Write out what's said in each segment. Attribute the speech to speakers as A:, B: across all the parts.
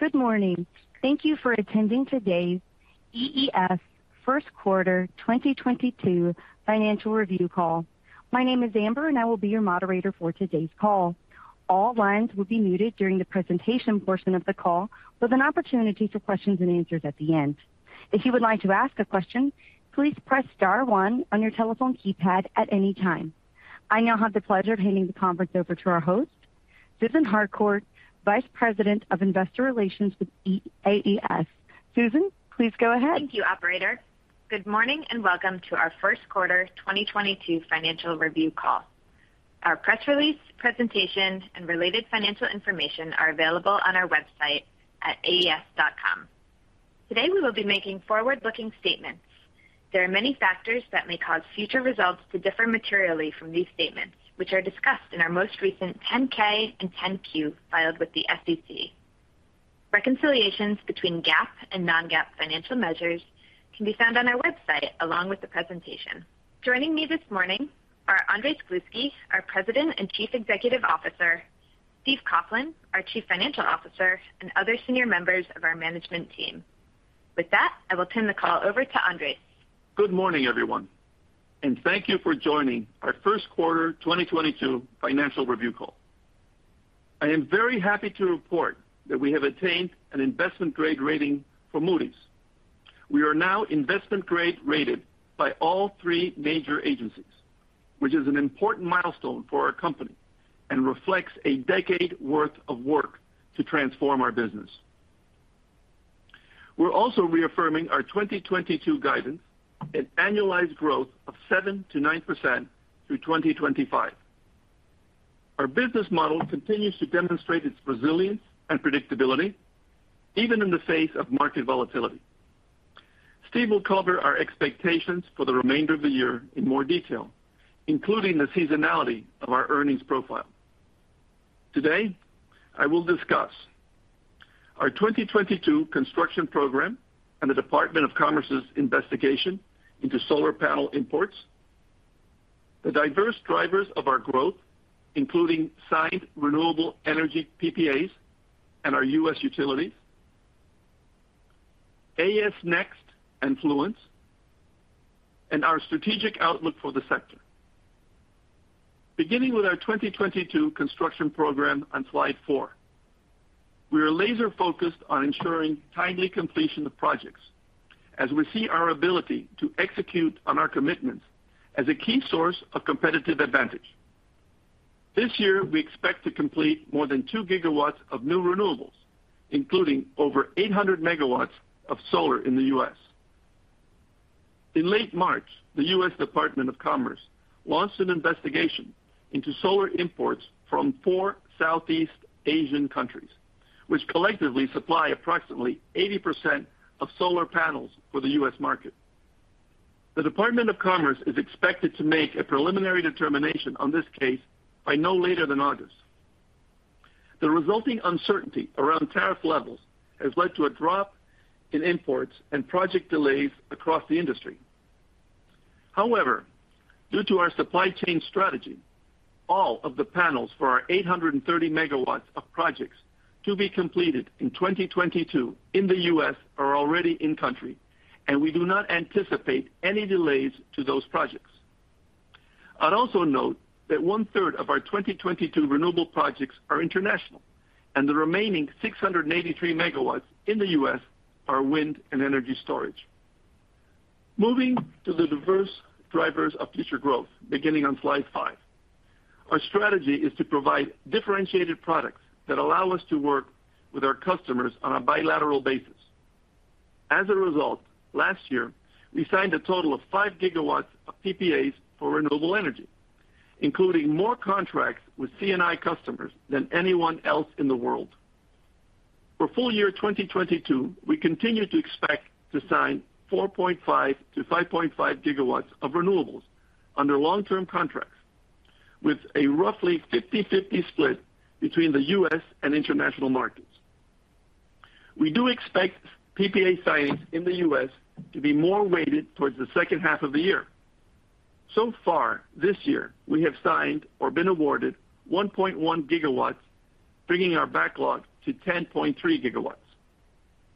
A: Good morning. Thank you for attending today's AES first quarter 2022 financial review call. My name is Amber, and I will be your moderator for today's call. All lines will be muted during the presentation portion of the call with an opportunity for questions and answers at the end. If you would like to ask a question, please press star one on your telephone keypad at any time. I now have the pleasure of handing the conference over to our host, Susan Harcourt, Vice President of Investor Relations with AES. Susan, please go ahead.
B: Thank you, operator. Good morning and welcome to our first quarter 2022 financial review call. Our press release presentation and related financial information are available on our website at aes.com. Today we will be making forward-looking statements. There are many factors that may cause future results to differ materially from these statements, which are discussed in our most recent 10-K and 10-Q filed with the SEC. Reconciliations between GAAP and non-GAAP financial measures can be found on our website along with the presentation. Joining me this morning are Andrés Gluski, our President and Chief Executive Officer, Steve Coughlin, our Chief Financial Officer, and other senior members of our management team. With that, I will turn the call over to Andrés.
C: Good morning, everyone, and thank you for joining our first quarter 2022 financial review call. I am very happy to report that we have attained an investment-grade rating from Moody's. We are now investment grade rated by all three major agencies, which is an important milestone for our company and reflects a decade worth of work to transform our business. We're also reaffirming our 2022 guidance, an annualized growth of 7%-9% through 2025. Our business model continues to demonstrate its resilience and predictability even in the face of market volatility. Steve will cover our expectations for the remainder of the year in more detail, including the seasonality of our earnings profile. Today, I will discuss our 2022 construction program and the US Department of Commerce's investigation into solar panel imports, the diverse drivers of our growth, including signed renewable energy PPAs and our US utilities, AES Next and Fluence, and our strategic outlook for the sector. Beginning with our 2022 construction program on slide four, we are laser-focused on ensuring timely completion of projects as we see our ability to execute on our commitments as a key source of competitive advantage. This year, we expect to complete more than 2 GW of new renewables, including over 800 MW of solar in the U.S. In late March, the US Department of Commerce launched an investigation into solar imports from four Southeast Asian countries, which collectively supply approximately 80% of solar panels for the US market. The Department of Commerce is expected to make a preliminary determination on this case by no later than August. The resulting uncertainty around tariff levels has led to a drop in imports and project delays across the industry. However, due to our supply chain strategy, all of the panels for our 830 MW of projects to be completed in 2022 in the U.S. are already in country, and we do not anticipate any delays to those projects. I'd also note that one-third of our 2022 renewable projects are international and the remaining 683 MW in the U.S. are wind and energy storage. Moving to the diverse drivers of future growth beginning on slide five. Our strategy is to provide differentiated products that allow us to work with our customers on a bilateral basis. As a result, last year, we signed a total of 5 GW of PPAs for renewable energy, including more contracts with C&I customers than anyone else in the world. For full year 2022, we continue to expect to sign 4.5 GW-5.5 GW of renewables under long-term contracts with a roughly 50/50 split between the U.S. and international markets. We do expect PPA signings in the U.S. to be more weighted towards the second half of the year. So far this year, we have signed or been awarded 1.1 GW, bringing our backlog to 10.3 GW.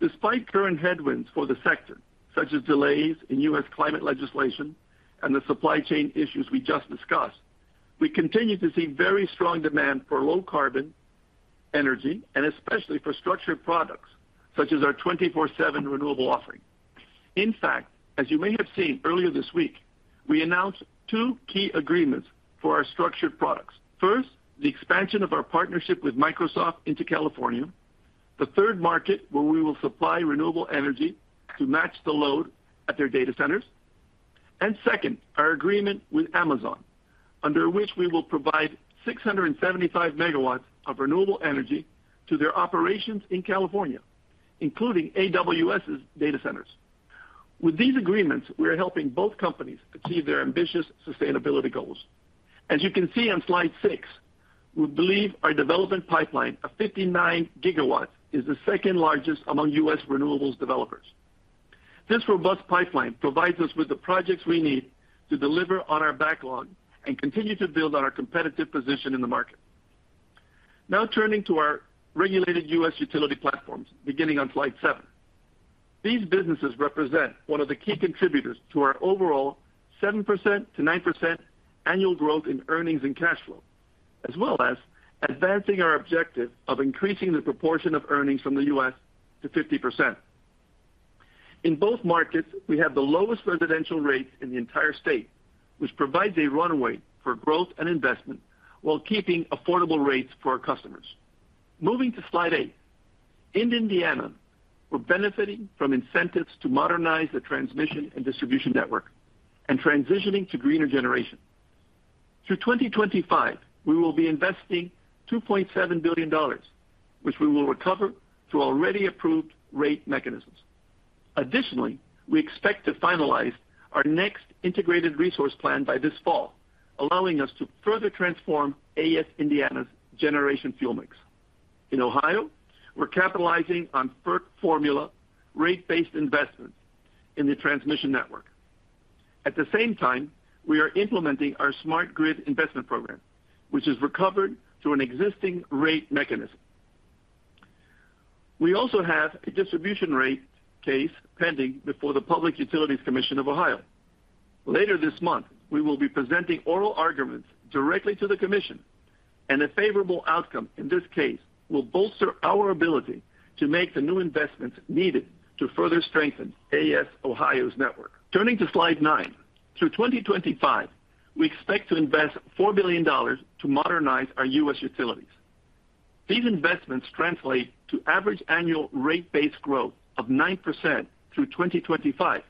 C: Despite current headwinds for the sector, such as delays in U.S. climate legislation and the supply chain issues we just discussed, we continue to see very strong demand for low carbon energy and especially for structured products such as our 24/7 renewable offering. In fact, as you may have seen earlier this week, we announced two key agreements for our structured products. First, the expansion of our partnership with Microsoft into California, the third market where we will supply renewable energy to match the load at their data centers. Second, our agreement with Amazon, under which we will provide 675 MW of renewable energy to their operations in California, including AWS's data centers. With these agreements, we are helping both companies achieve their ambitious sustainability goals. As you can see on slide six, we believe our development pipeline of 59 GW is the second largest among US renewables developers. This robust pipeline provides us with the projects we need to deliver on our backlog and continue to build on our competitive position in the market. Now turning to our regulated US utility platforms, beginning on slide seven. These businesses represent one of the key contributors to our overall 7%-9% annual growth in earnings and cash flow, as well as advancing our objective of increasing the proportion of earnings from the U.S. to 50%. In both markets, we have the lowest residential rates in the entire state, which provides a runway for growth and investment while keeping affordable rates for our customers. Moving to slide eight. In Indiana, we're benefiting from incentives to modernize the transmission and distribution network and transitioning to greener generation. Through 2025, we will be investing $2.7 billion, which we will recover through already approved rate mechanisms. Additionally, we expect to finalize our next integrated resource plan by this fall, allowing us to further transform AES Indiana's generation fuel mix. In Ohio, we're capitalizing on FERC formula rate-based investments in the transmission network. At the same time, we are implementing our smart grid investment program, which is recovered through an existing rate mechanism. We also have a distribution rate case pending before the Public Utilities Commission of Ohio. Later this month, we will be presenting oral arguments directly to the commission, and a favorable outcome in this case will bolster our ability to make the new investments needed to further strengthen AES Ohio's network. Turning to slide nine. Through 2025, we expect to invest $4 billion to modernize our US utilities. These investments translate to average annual rate-based growth of 9% through 2025,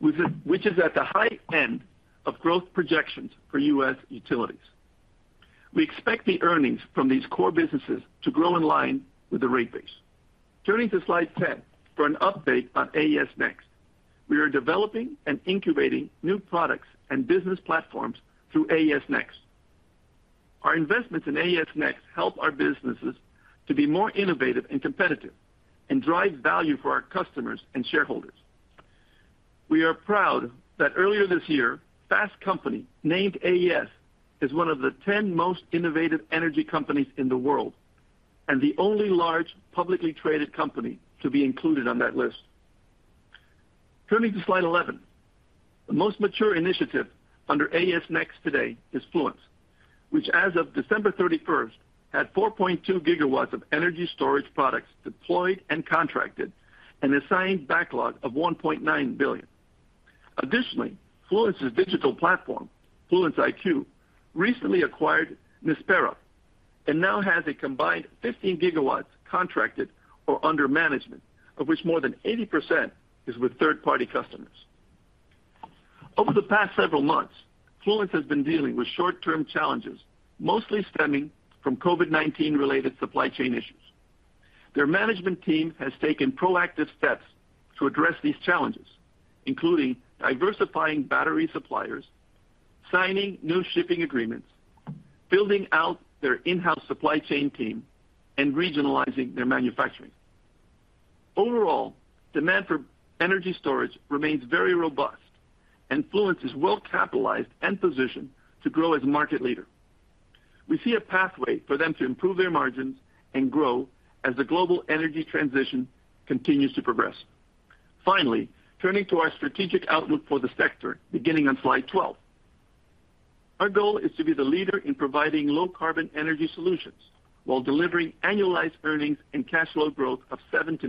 C: which is at the high end of growth projections for US utilities. We expect the earnings from these core businesses to grow in line with the rate base. Turning to slide 10 for an update on AES Next. We are developing and incubating new products and business platforms through AES Next. Our investments in AES Next help our businesses to be more innovative and competitive and drive value for our customers and shareholders. We are proud that earlier this year, Fast Company named AES as one of the 10 most innovative energy companies in the world, and the only large publicly traded company to be included on that list. Turning to slide 11. The most mature initiative under AES Next today is Fluence, which as of December 31, had 4.2 GW of energy storage products deployed and contracted, an assigned backlog of $1.9 billion. Additionally, Fluence's digital platform, Fluence IQ, recently acquired Nispera, and now has a combined 15 GW contracted or under management, of which more than 80% is with third-party customers. Over the past several months, Fluence has been dealing with short-term challenges, mostly stemming from COVID-19 related supply chain issues. Their management team has taken proactive steps to address these challenges, including diversifying battery suppliers, signing new shipping agreements, building out their in-house supply chain team, and regionalizing their manufacturing. Overall, demand for energy storage remains very robust, and Fluence is well-capitalized and positioned to grow as a market leader. We see a pathway for them to improve their margins and grow as the global energy transition continues to progress. Finally, turning to our strategic outlook for the sector, beginning on slide 12. Our goal is to be the leader in providing low carbon energy solutions while delivering annualized earnings and cash flow growth of 7%-9%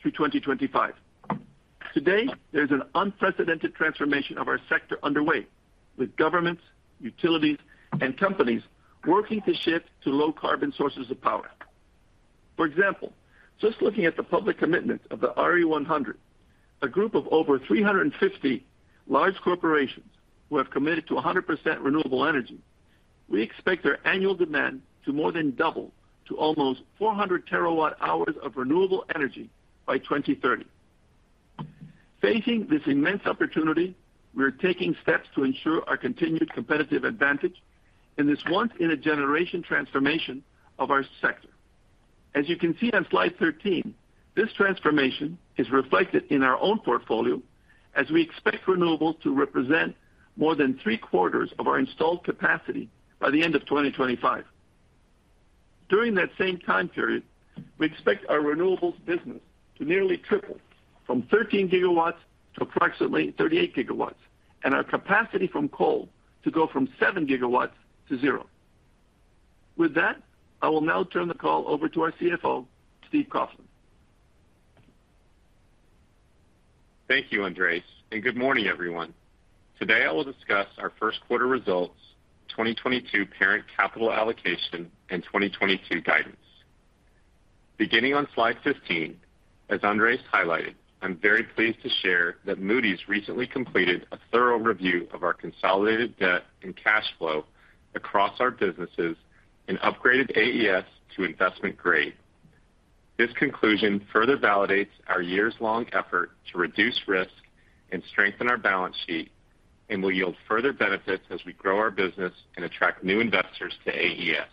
C: through 2025. Today, there's an unprecedented transformation of our sector underway, with governments, utilities, and companies working to shift to low carbon sources of power. For example, just looking at the public commitment of the RE100, a group of over 350 large corporations who have committed to 100% renewable energy, we expect their annual demand to more than double to almost 400 TWh of renewable energy by 2030. Facing this immense opportunity, we are taking steps to ensure our continued competitive advantage in this once in a generation transformation of our sector. As you can see on slide 13, this transformation is reflected in our own portfolio as we expect renewables to represent more than three-quarters of our installed capacity by the end of 2025. During that same time period, we expect our renewables business to nearly triple from 13 GW to approximately 38 GW, and our capacity from coal to go from 7 GW - 0 GW. With that, I will now turn the call over to our CFO, Steve Coughlin.
D: Thank you, Andrés, and good morning, everyone. Today, I will discuss our first quarter results, 2022 parent capital allocation, and 2022 guidance. Beginning on slide 15, as Andrés highlighted, I'm very pleased to share that Moody's recently completed a thorough review of our consolidated debt and cash flow across our businesses and upgraded AES to investment grade. This conclusion further validates our years-long effort to reduce risk and strengthen our balance sheet, and will yield further benefits as we grow our business and attract new investors to AES.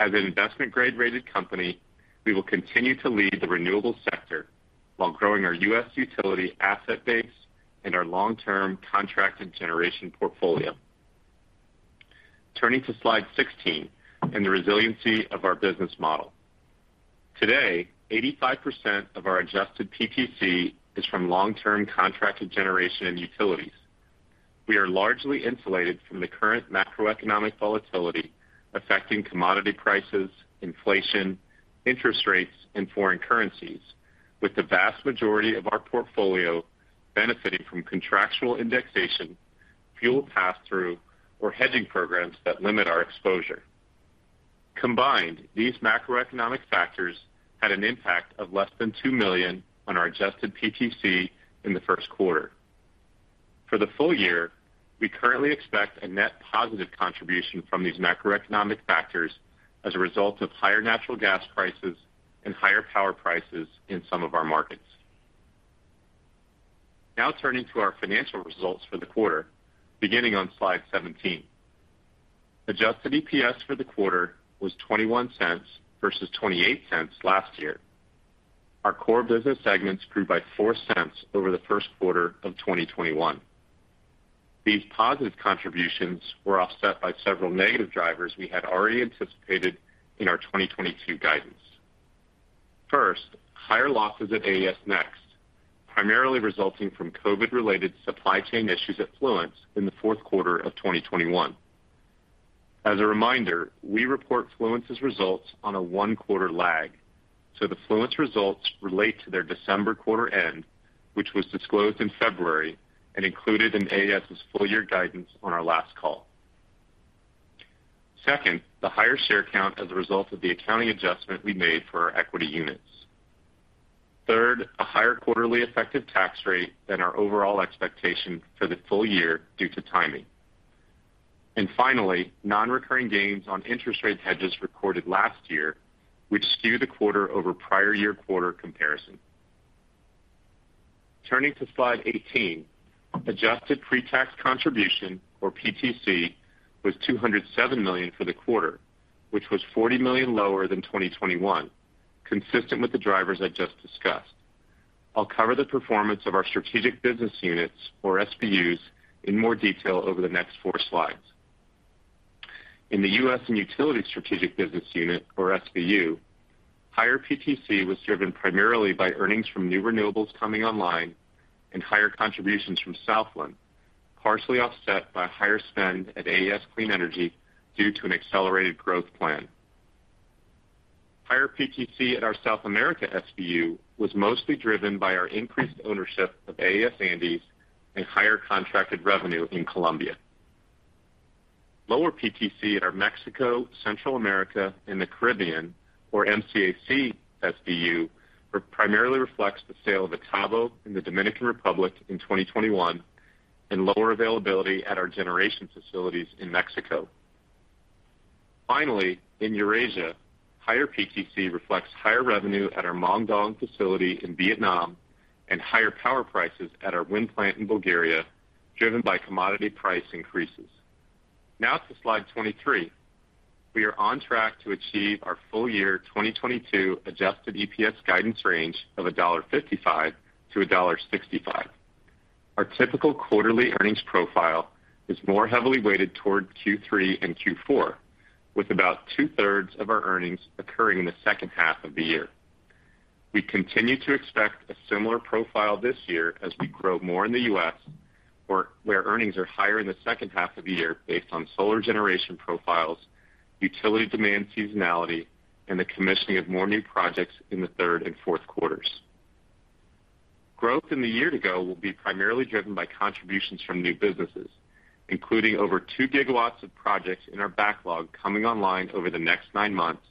D: As an investment-grade rated company, we will continue to lead the renewable sector while growing our US utility asset base and our long-term contracted generation portfolio. Turning to slide 16 and the resiliency of our business model. Today, 85% of our adjusted PTC is from long-term contracted generation and utilities. We are largely insulated from the current macroeconomic volatility affecting commodity prices, inflation, interest rates, and foreign currencies, with the vast majority of our portfolio benefiting from contractual indexation, fuel pass-through, or hedging programs that limit our exposure. Combined, these macroeconomic factors had an impact of less than $2 million on our adjusted PTC in the first quarter. For the full year, we currently expect a net positive contribution from these macroeconomic factors as a result of higher natural gas prices and higher power prices in some of our markets. Now turning to our financial results for the quarter, beginning on slide 17. Adjusted EPS for the quarter was $0.21 versus $0.28 last year. Our core business segments grew by $0.04 over the first quarter of 2021. These positive contributions were offset by several negative drivers we had already anticipated in our 2022 guidance. First, higher losses at AES Next, primarily resulting from COVID-related supply chain issues at Fluence in the fourth quarter of 2021. As a reminder, we report Fluence's results on a one-quarter lag, so the Fluence results relate to their December quarter end, which was disclosed in February and included in AES's full year guidance on our last call. Second, the higher share count as a result of the accounting adjustment we made for our equity units. Third, a higher quarterly effective tax rate than our overall expectation for the full year due to timing. Finally, non-recurring gains on interest rate hedges recorded last year, which skew the quarter over prior year quarter comparison. Turning to slide 18. Adjusted pre-tax contribution, or PTC, was $207 million for the quarter, which was $40 million lower than 2021, consistent with the drivers I just discussed. I'll cover the performance of our Strategic Business Units, or SBUs, in more detail over the next four slides. In the U.S. and Utility Strategic Business Unit or SBU, higher PTC was driven primarily by earnings from new renewables coming online and higher contributions from Southland, partially offset by higher spend at AES Clean Energy due to an accelerated growth plan. Higher PTC at our South America SBU was mostly driven by our increased ownership of AES Andes and higher contracted revenue in Colombia. Lower PTC at our Mexico, Central America, and the Caribbean, or MCAC SBU, primarily reflects the sale of Itabo in the Dominican Republic in 2021 and lower availability at our generation facilities in Mexico. Finally, in Eurasia, higher PTC reflects higher revenue at our Mong Duong facility in Vietnam and higher power prices at our wind plant in Bulgaria, driven by commodity price increases. Now to slide 23. We are on track to achieve our full year 2022 Adjusted EPS guidance range of $1.55-$1.65. Our typical quarterly earnings profile is more heavily weighted toward Q3 and Q4, with about two-thirds of our earnings occurring in the second half of the year. We continue to expect a similar profile this year as we grow more in the U.S., where earnings are higher in the second half of the year based on solar generation profiles, utility demand seasonality, and the commissioning of more new projects in the third and fourth quarters. Growth in the year to go will be primarily driven by contributions from new businesses, including over 2 GW of projects in our backlog coming online over the next nine months,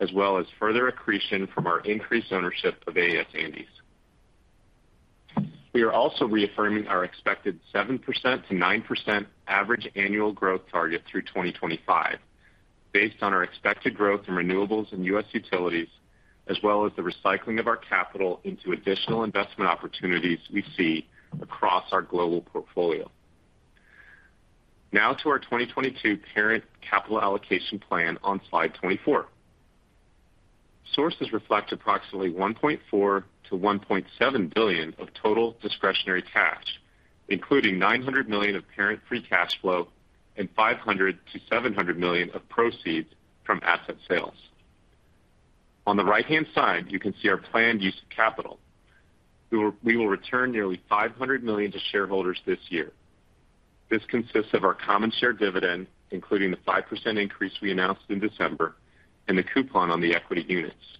D: as well as further accretion from our increased ownership of AES Andes. We are also reaffirming our expected 7%-9% average annual growth target through 2025 based on our expected growth in renewables and US utilities, as well as the recycling of our capital into additional investment opportunities we see across our global portfolio. Now to our 2022 parent capital allocation plan on slide 24. Sources reflect approximately $1.4 billion-$1.7 billion of total discretionary cash, including $900 million of parent free cash flow and $500 million-$700 million of proceeds from asset sales. On the right-hand side, you can see our planned use of capital. We will return nearly $500 million to shareholders this year. This consists of our common share dividend, including the 5% increase we announced in December and the coupon on the equity units.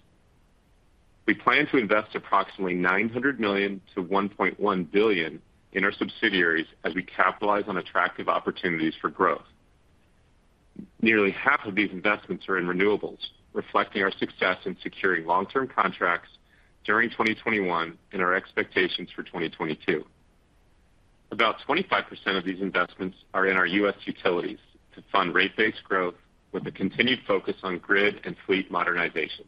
D: We plan to invest approximately $900 million-$1.1 billion in our subsidiaries as we capitalize on attractive opportunities for growth. Nearly half of these investments are in renewables, reflecting our success in securing long-term contracts during 2021 and our expectations for 2022. About 25% of these investments are in our US utilities to fund rate-based growth with a continued focus on grid and fleet modernization.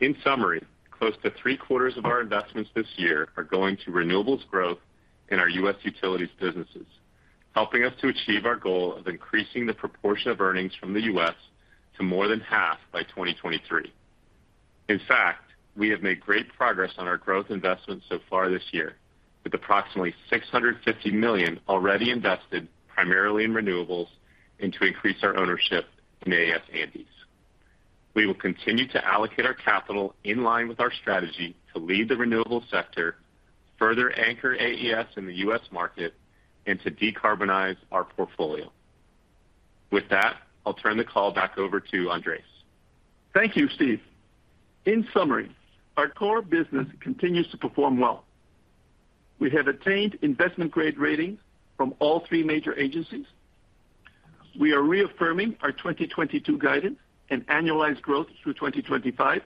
D: In summary, close to three quarters of our investments this year are going to renewables growth in our US utilities businesses, helping us to achieve our goal of increasing the proportion of earnings from the U.S. to more than half by 2023. In fact, we have made great progress on our growth investments so far this year, with approximately $650 million already invested primarily in renewables and to increase our ownership in AES Andes. We will continue to allocate our capital in line with our strategy to lead the renewable sector, further anchor AES in the US market, and to decarbonize our portfolio. With that, I'll turn the call back over to Andrés.
C: Thank you, Steve. In summary, our core business continues to perform well. We have attained investment-grade ratings from all three major agencies. We are reaffirming our 2022 guidance and annualized growth through 2025.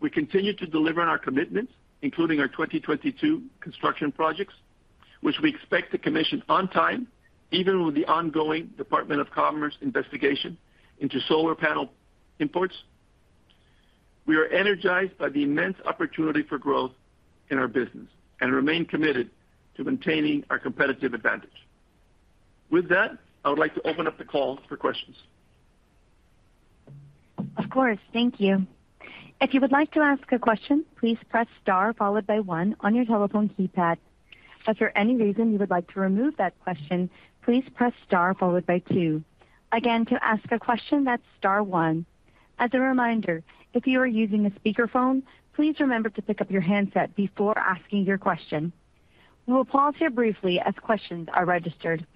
C: We continue to deliver on our commitments, including our 2022 construction projects, which we expect to commission on time, even with the ongoing Department of Commerce investigation into solar panel imports. We are energized by the immense opportunity for growth in our business and remain committed to maintaining our competitive advantage. With that, I would like to open up the call for questions.
A: Of course. Thank you. If you would like to ask a question, please press star followed by one on your telephone keypad. If for any reason you would like to remove that question, please press star followed by two. Again, to ask a question, that's star one. As a reminder, if you are using a speakerphone, please remember to pick up your handset before asking your question. We will pause here briefly as questions are registered.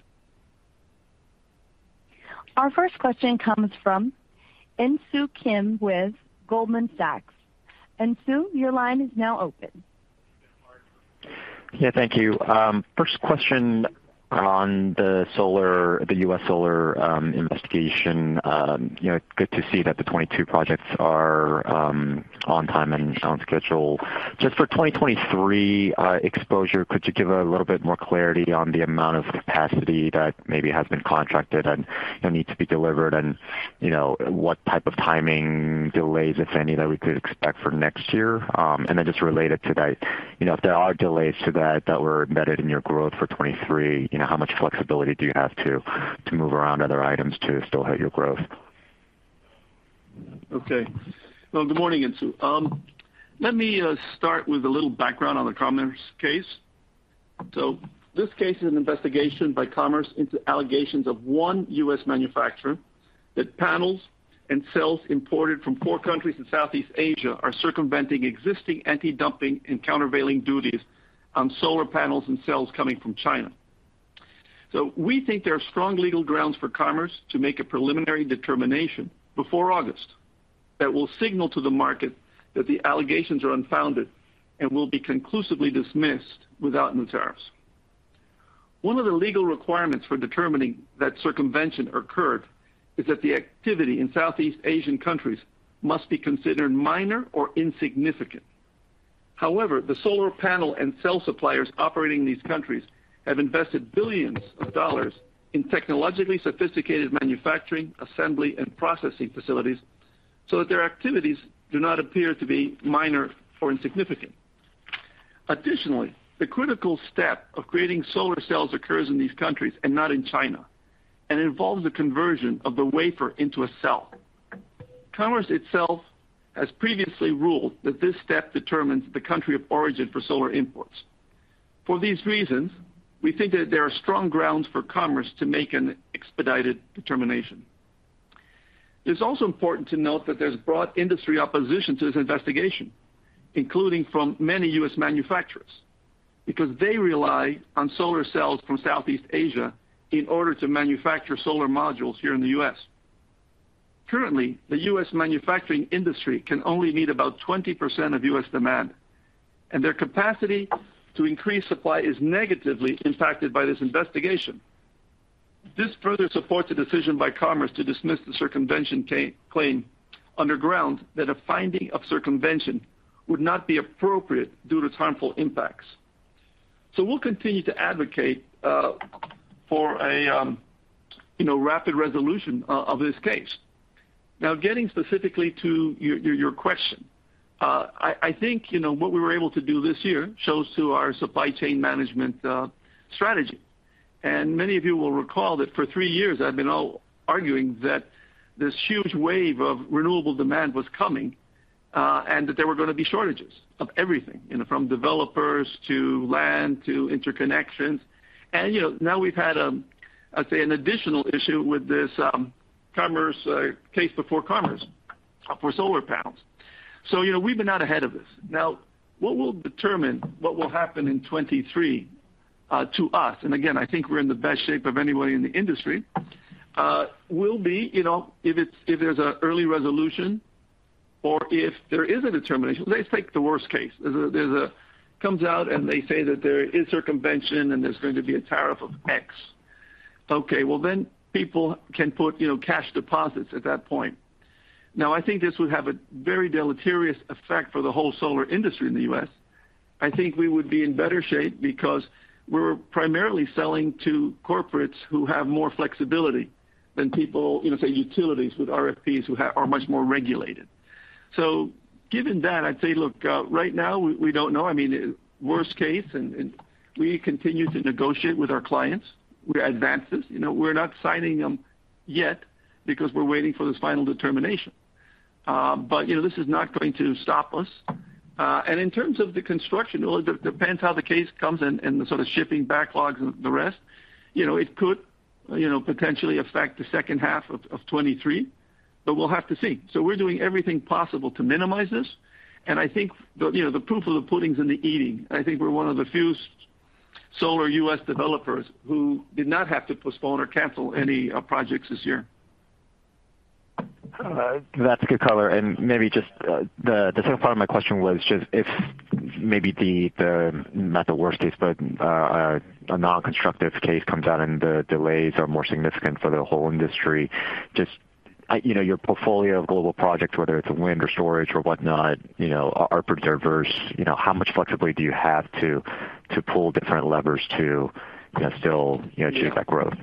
A: Our first question comes from Insoo Kim with Goldman Sachs. Insoo, your line is now open.
E: Yeah, thank you. First question on the solar, the US solar investigation. You know, good to see that the 2022 projects are on time and on schedule. Just for 2023 exposure, could you give a little bit more clarity on the amount of capacity that maybe has been contracted and, you know, needs to be delivered? And, you know, what type of timing delays, if any, that we could expect for next year? And then just related to that, you know, if there are delays to that that were embedded in your growth for 2023, you know, how much flexibility do you have to move around other items to still hit your growth?
C: Well, good morning, Insoo. Let me start with a little background on the Commerce case. This case is an investigation by Commerce into allegations of one US manufacturer that panels and cells imported from four countries in Southeast Asia are circumventing existing antidumping and countervailing duties on solar panels and cells coming from China. We think there are strong legal grounds for Commerce to make a preliminary determination before August that will signal to the market that the allegations are unfounded and will be conclusively dismissed without new tariffs. One of the legal requirements for determining that circumvention occurred is that the activity in Southeast Asian countries must be considered minor or insignificant. However, the solar panel and cell suppliers operating these countries have invested billions of dollars in technologically sophisticated manufacturing, assembly, and processing facilities so that their activities do not appear to be minor or insignificant. Additionally, the critical step of creating solar cells occurs in these countries and not in China, and involves the conversion of the wafer into a cell. Commerce itself has previously ruled that this step determines the country of origin for solar imports. For these reasons, we think that there are strong grounds for Commerce to make an expedited determination. It's also important to note that there's broad industry opposition to this investigation, including from many US manufacturers, because they rely on solar cells from Southeast Asia in order to manufacture solar modules here in the U.S. Currently, the US manufacturing industry can only meet about 20% of US demand, and their capacity to increase supply is negatively impacted by this investigation. This further supports a decision by Commerce to dismiss the circumvention claim under grounds that a finding of circumvention would not be appropriate due to harmful impacts. We'll continue to advocate for a, you know, rapid resolution of this case. Now, getting specifically to your question. I think, you know, what we were able to do this year shows our supply chain management strategy. Many of you will recall that for three years, I've been always arguing that this huge wave of renewable demand was coming, and that there were gonna be shortages of everything, you know, from developers to land to interconnections. You know, now we've had, I'd say, an additional issue with this Department of Commerce case before Department of Commerce for solar panels. You know, we've been out ahead of this. Now, what will determine what will happen in 2023 to us, and again, I think we're in the best shape of anybody in the industry, will be, you know, if there's an early resolution or if there is a determination. Let's take the worst case. Comes out, and they say that there is circumvention and there's going to be a tariff of X. Okay, well, then people can put, you know, cash deposits at that point. I think this would have a very deleterious effect for the whole solar industry in the U.S. I think we would be in better shape because we're primarily selling to corporates who have more flexibility than people, you know, say, utilities with RFPs who are much more regulated. Given that, I'd say, look, right now we don't know. I mean, worst case and we continue to negotiate with our clients with advances. You know, we're not signing them yet because we're waiting for this final determination. You know, this is not going to stop us. In terms of the construction, well, it depends how the case comes and the sort of shipping backlogs and the rest. You know, it could, you know, potentially affect the second half of 2023, but we'll have to see. We're doing everything possible to minimize this. I think the you know the proof of the pudding is in the eating. I think we're one of the few solar US developers who did not have to postpone or cancel any projects this year.
E: That's a good color. Maybe just the second part of my question was just if maybe the not the worst case, but a non-constructive case comes out and the delays are more significant for the whole industry. You know, your portfolio of global projects, whether it's wind or storage or whatnot, you know, are pretty diverse. You know, how much flexibility do you have to pull different levers to, you know, still, you know, achieve that growth?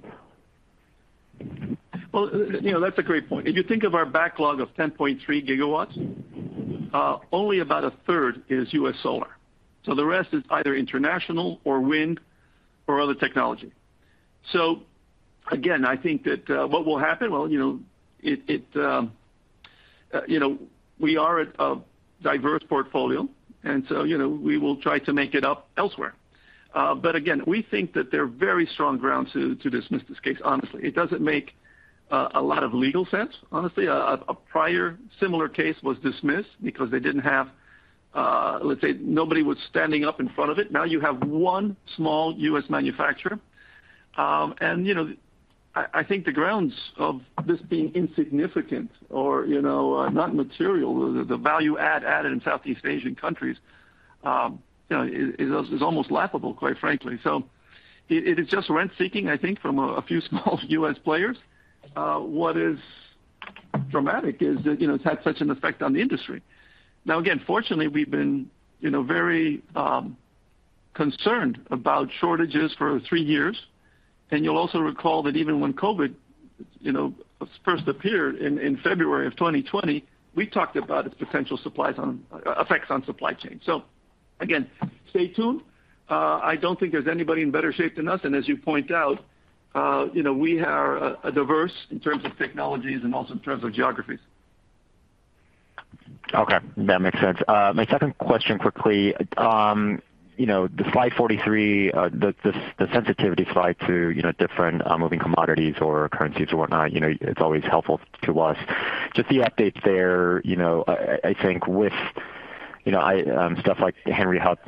C: Well, you know, that's a great point. If you think of our backlog of 10.3 GW, only about a third is US solar. The rest is either international or wind or other technology. Again, I think that what will happen, you know, we are a diverse portfolio and so, you know, we will try to make it up elsewhere. Again, we think that there are very strong grounds to dismiss this case, honestly. It doesn't make a lot of legal sense, honestly. A prior similar case was dismissed because they didn't have, let's say nobody was standing up in front of it. Now you have one small US manufacturer. I think the grounds of this being insignificant or not material, the value added in Southeast Asian countries is almost laughable, quite frankly. It is just rent-seeking, I think, from a few small US players. What is dramatic is that it's had such an effect on the industry. Now, again, fortunately, we've been very concerned about shortages for three years. You'll also recall that even when COVID first appeared in February of 2020, we talked about its potential effects on supply chain. Again, stay tuned. I don't think there's anybody in better shape than us. As you point out, we are diverse in terms of technologies and also in terms of geographies.
E: Okay, that makes sense. My second question quickly, you know, the slide 43, the sensitivity slide to, you know, different moving commodities or currencies or whatnot, you know, it's always helpful to us. Just the updates there, you know, I think with, you know, stuff like Henry Hub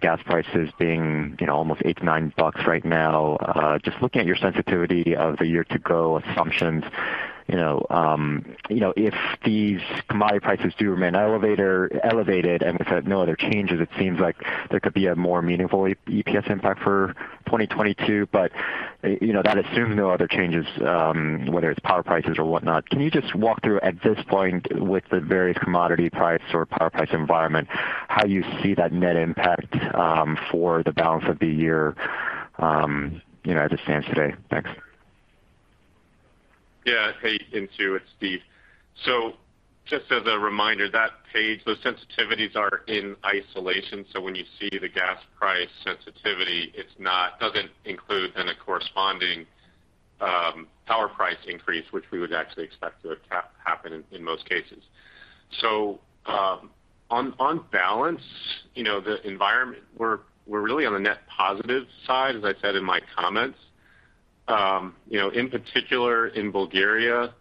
E: gas prices being, you know, almost $8-$9 right now, just looking at your sensitivity of the year to go assumptions, you know, if these commodity prices do remain elevated and if had no other changes, it seems like there could be a more meaningful EPS impact for 2022. You know, that assumes no other changes, whether it's power prices or whatnot. Can you just walk through at this point with the various commodity price or power price environment, how you see that net impact, for the balance of the year, you know, as it stands today? Thanks.
D: Yeah. Hey, Insoo, it's Steve. Just as a reminder, that page, those sensitivities are in isolation. When you see the gas price sensitivity, it doesn't include any corresponding power price increase, which we would actually expect to happen in most cases. On balance, you know, the environment we're really on the net positive side, as I said in my comments. In particular in Bulgaria,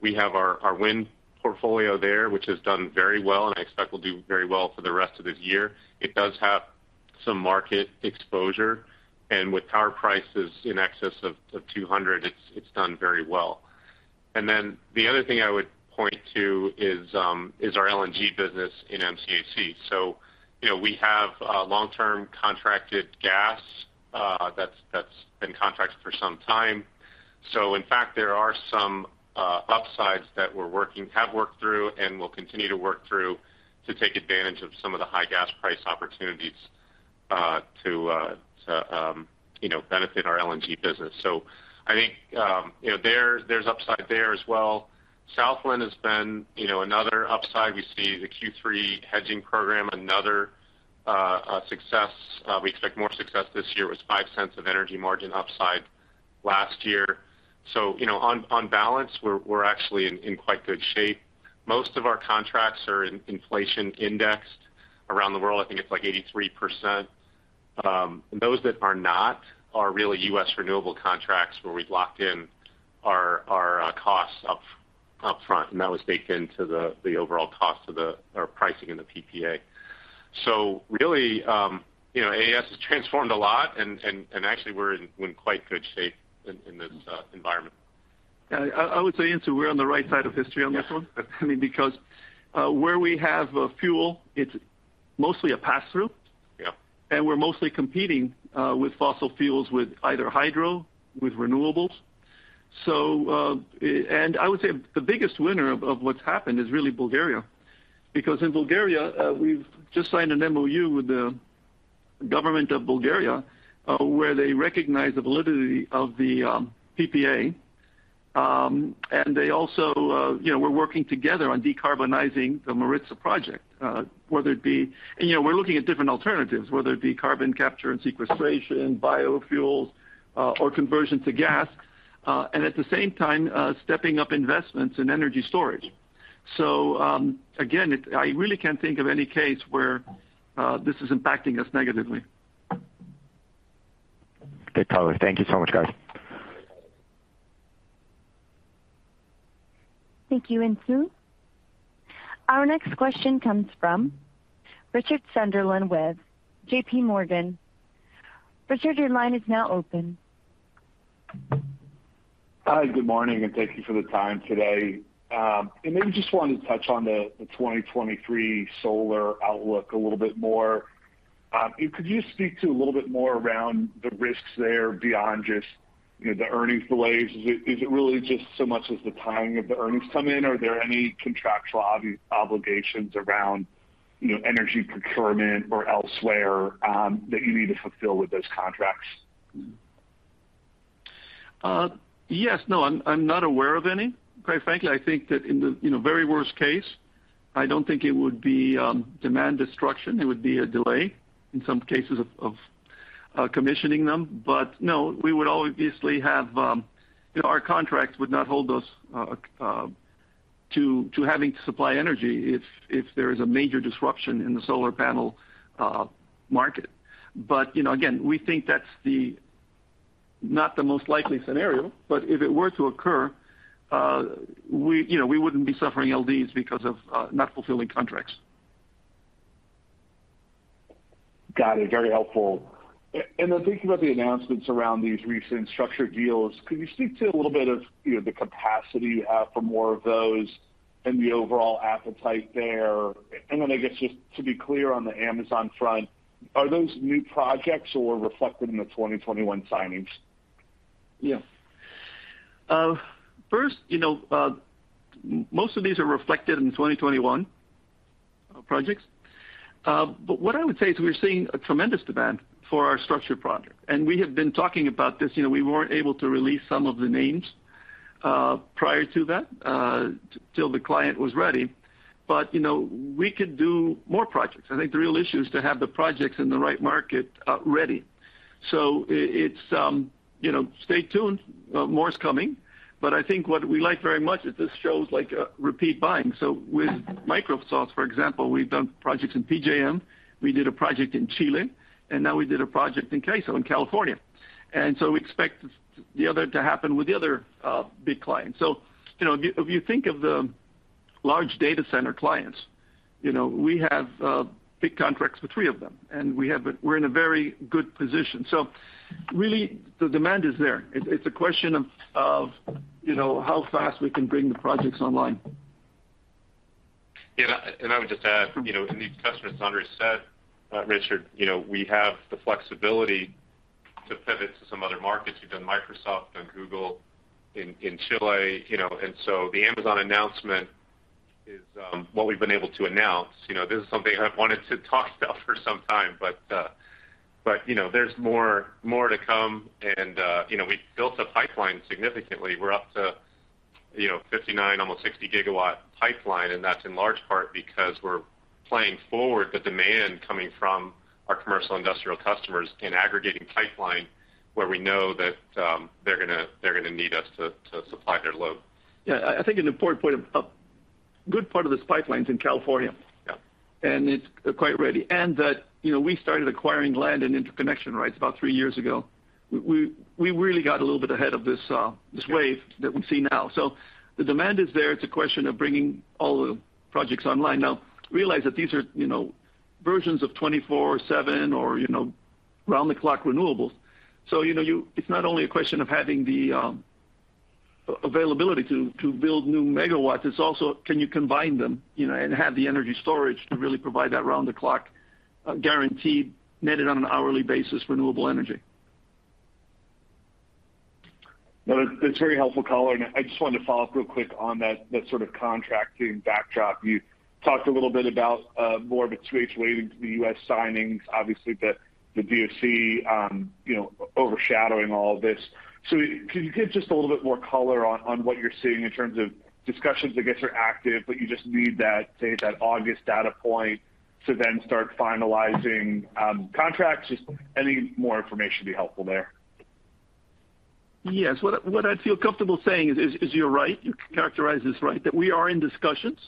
D: we have our wind portfolio there, which has done very well and I expect will do very well for the rest of this year. It does have some market exposure. With power prices in excess of 200, it's done very well. Then the other thing I would point to is our LNG business in MCAC. You know, we have long-term contracted gas that's been contracted for some time. In fact, there are some upsides that we have worked through and will continue to work through to take advantage of some of the high gas price opportunities to you know, benefit our LNG business. I think you know, there's upside there as well. Southland has been you know, another upside. We see the Q3 hedging program, another success. We expect more success this year. It was $0.05 of energy margin upside last year. You know, on balance, we're actually in quite good shape. Most of our contracts are in inflation indexed around the world. I think it's like 83%. Those that are not are really US renewable contracts where we've locked in our costs up front, and that was baked into the overall cost or pricing in the PPA. Really, you know, AES has transformed a lot and actually we're in quite good shape in this environment.
C: I would say, Insoo, we're on the right side of history on this one.
D: Yeah.
C: I mean, because, where we have a fuel, it's mostly a pass-through.
D: Yeah.
C: We're mostly competing with fossil fuels, with either hydro, with renewables. I would say the biggest winner of what's happened is really Bulgaria. Because in Bulgaria, we've just signed an MOU with the government of Bulgaria, where they recognize the validity of the PPA. They also, you know, we're working together on decarbonizing the Maritsa project, whether it be. You know, we're looking at different alternatives, whether it be carbon capture and sequestration, biofuels, or conversion to gas, and at the same time, stepping up investments in energy storage. Again, I really can't think of any case where this is impacting us negatively.
E: Great color. Thank you so much, guys.
A: Thank you, Insoo. Our next question comes from Richard Sunderland with J.P. Morgan. Richard, your line is now open.
F: Hi, good morning, and thank you for the time today. Maybe just wanted to touch on the 2023 solar outlook a little bit more. Could you speak to a little bit more around the risks there beyond just, you know, the earnings delays? Is it really just so much as the timing of the earnings come in? Are there any contractual obligations around, you know, energy procurement or elsewhere, that you need to fulfill with those contracts?
C: Yes. No, I'm not aware of any. Quite frankly, I think that in the, you know, very worst case, I don't think it would be demand destruction. It would be a delay in some cases of commissioning them. No, we would obviously have, you know, our contract would not hold us to having to supply energy if there is a major disruption in the solar panel market. You know, again, we think not the most likely scenario, but if it were to occur, we, you know, we wouldn't be suffering LDs because of not fulfilling contracts.
F: Got it. Very helpful. Then thinking about the announcements around these recent structured deals, could you speak to a little bit of, you know, the capacity you have for more of those and the overall appetite there? Then I guess just to be clear on the Amazon front, are those new projects or reflected in the 2021 signings?
C: Yeah. First, you know, most of these are reflected in 2021 projects. What I would say is we're seeing a tremendous demand for our structured product. We have been talking about this. You know, we weren't able to release some of the names, prior to that, till the client was ready. You know, we could do more projects. I think the real issue is to have the projects in the right market, ready. It's, you know, stay tuned. More is coming. I think what we like very much is this shows like a repeat buying. With Microsoft, for example, we've done projects in PJM, we did a project in Chile, and now we did a project in CAISO in California. We expect the other to happen with the other big clients. You know, if you think of the large data center clients, you know, we have big contracts with three of them, and we're in a very good position. Really the demand is there. It's a question of, you know, how fast we can bring the projects online.
D: Yeah. I would just add, you know, these customers Andrés said, Richard, you know, we have the flexibility to pivot to some other markets. We've done Microsoft and Google in Chile, you know. The Amazon announcement is what we've been able to announce. You know, this is something I've wanted to talk about for some time, but you know, there's more to come and, you know, we built the pipeline significantly. We're up to, you know, 59 GW, almost 60 GW pipeline. That's in large part because we're planning for the demand coming from our commercial industrial customers in aggregating pipeline where we know that they're gonna need us to supply their load.
C: Yeah. I think an important point, a good part of this pipeline is in California.
D: Yeah.
C: It's quite ready. That, you know, we started acquiring land and interconnection rights about three years ago. We really got a little bit ahead of this wave that we see now. The demand is there. It's a question of bringing all the projects online. Now, realize that these are, you know, versions of 24/7 or, you know, round the clock renewables. You know, it's not only a question of having the availability to build new megawatts, it's also can you combine them, you know, and have the energy storage to really provide that round the clock guaranteed, netted on an hourly basis, renewable energy.
F: No, that's very helpful color. I just wanted to follow up real quick on that sort of contracting backdrop. You talked a little bit about more of a 2H waiting for the US signings, obviously the DOC overshadowing all of this. Can you give just a little bit more color on what you're seeing in terms of discussions? I guess you're active, but you just need that August data point to then start finalizing contracts. Just any more information would be helpful there.
C: Yes. What I'd feel comfortable saying is, you're right. You characterize this right. That we are in discussions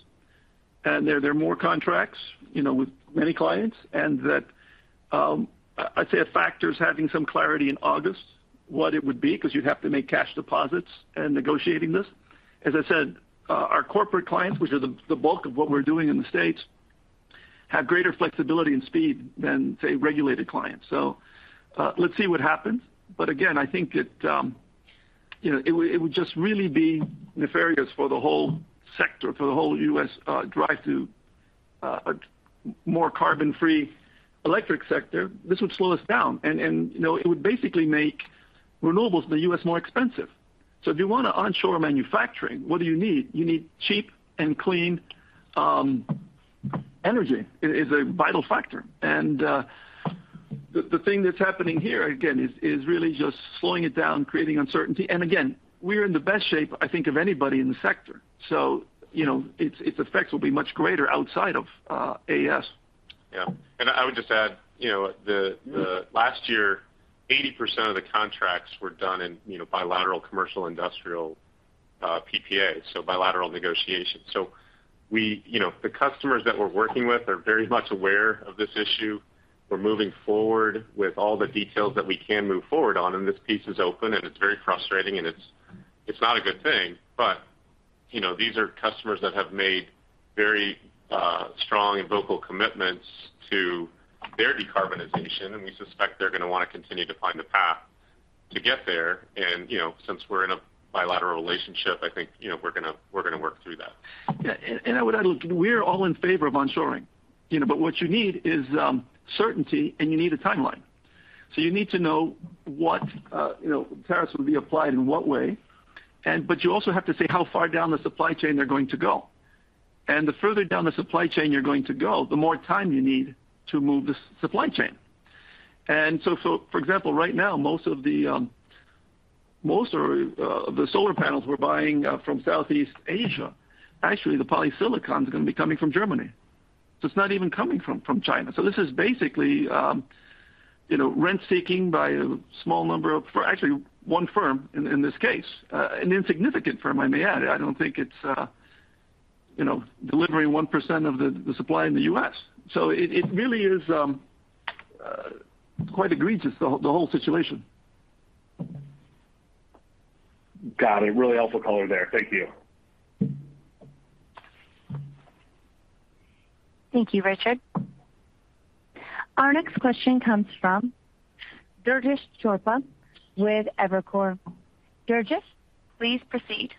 C: and there are more contracts, you know, with many clients and that, I'd say a factor is having some clarity in August what it would be, 'cause you'd have to make cash deposits and negotiating this. As I said, our corporate clients, which are the bulk of what we're doing in the States, have greater flexibility and speed than, say, regulated clients. Let's see what happens. Again, I think that, you know, it would just really be nefarious for the whole sector, for the whole US drive to a more carbon-free electric sector. This would slow us down and, you know, it would basically make renewables in the U.S. More expensive. If you want to onshore manufacturing, what do you need? You need cheap and clean energy. It is a vital factor. The thing that's happening here again is really just slowing it down, creating uncertainty. Again, we're in the best shape, I think, of anybody in the sector. You know, its effects will be much greater outside of AES.
D: Yeah. I would just add, you know, the last year, 80% of the contracts were done in, you know, bilateral C&I PPAs, so bilateral negotiations. You know, the customers that we're working with are very much aware of this issue. We're moving forward with all the details that we can move forward on, and this piece is open, and it's very frustrating, and it's not a good thing. You know, these are customers that have made very strong and vocal commitments to their decarbonization, and we suspect they're going to want to continue to find the path to get there. Since we're in a bilateral relationship, I think, you know, we're gonna work through that.
C: Yeah. I would add, look, we're all in favor of onshoring, you know, but what you need is certainty, and you need a timeline. You need to know what tariffs will be applied in what way. But you also have to say how far down the supply chain they're going to go. The further down the supply chain you're going to go, the more time you need to move the supply chain. For example, right now, most of the solar panels we're buying from Southeast Asia, actually, the polysilicon is gonna be coming from Germany. It's not even coming from China. This is basically, you know, rent-seeking by a small number of, or actually one firm in this case, an insignificant firm, I may add. I don't think it's, you know, delivering 1% of the supply in the U.S. It really is quite egregious, the whole situation.
F: Got it. Really helpful color there. Thank you.
A: Thank you, Richard. Our next question comes from Durgesh Chopra with Evercore. Durgesh, please proceed.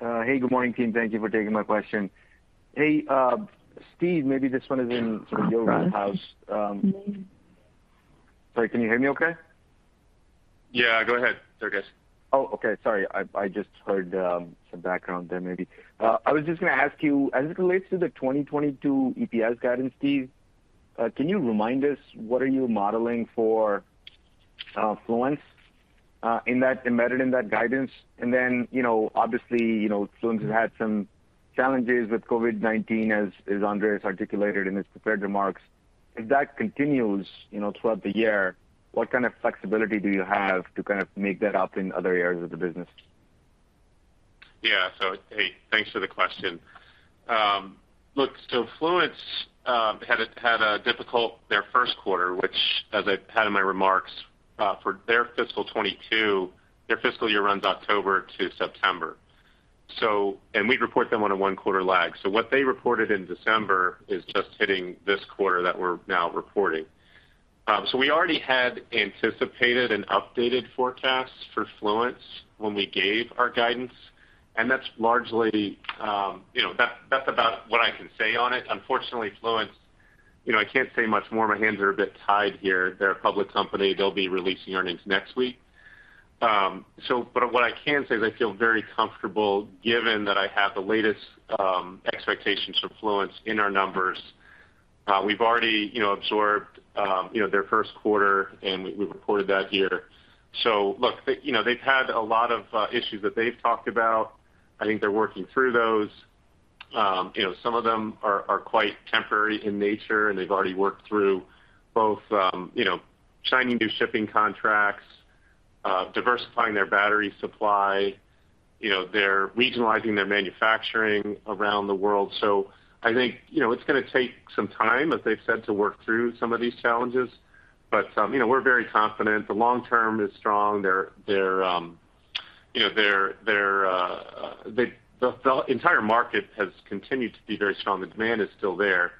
G: Hey, good morning, team. Thank you for taking my question. Hey, Steve, maybe this one is in sort of your wheelhouse. Sorry, can you hear me okay?
D: Yeah, go ahead, Durgesh.
G: I was just gonna ask you, as it relates to the 2022 EPS guidance, Steve, can you remind us what are you modeling for Fluence in that embedded in that guidance? Then, you know, obviously, Fluence has had some challenges with COVID-19, as Andrés articulated in his prepared remarks. If that continues, you know, throughout the year, what kind of flexibility do you have to kind of make that up in other areas of the business?
D: Yeah. Hey, thanks for the question. Look, Fluence had a difficult first quarter, which, as I had in my remarks, for their fiscal 2022, their fiscal year runs October - September. We'd report them on a one-quarter lag. What they reported in December is just hitting this quarter that we're now reporting. We already had anticipated an updated forecast for Fluence when we gave our guidance, and that's largely, you know, that's about what I can say on it. Unfortunately, Fluence, you know, I can't say much more. My hands are a bit tied here. They're a public company. They'll be releasing earnings next week. What I can say is I feel very comfortable given that I have the latest expectations for Fluence in our numbers. We've already, you know, absorbed, you know, their first quarter, and we reported that here. Look, they, you know, they've had a lot of issues that they've talked about. I think they're working through those. You know, some of them are quite temporary in nature, and they've already worked through both, you know, signing new shipping contracts, diversifying their battery supply. You know, they're regionalizing their manufacturing around the world. I think, you know, it's gonna take some time, as they've said, to work through some of these challenges. You know, we're very confident. The long term is strong. Their, you know, their, the entire market has continued to be very strong. The demand is still there.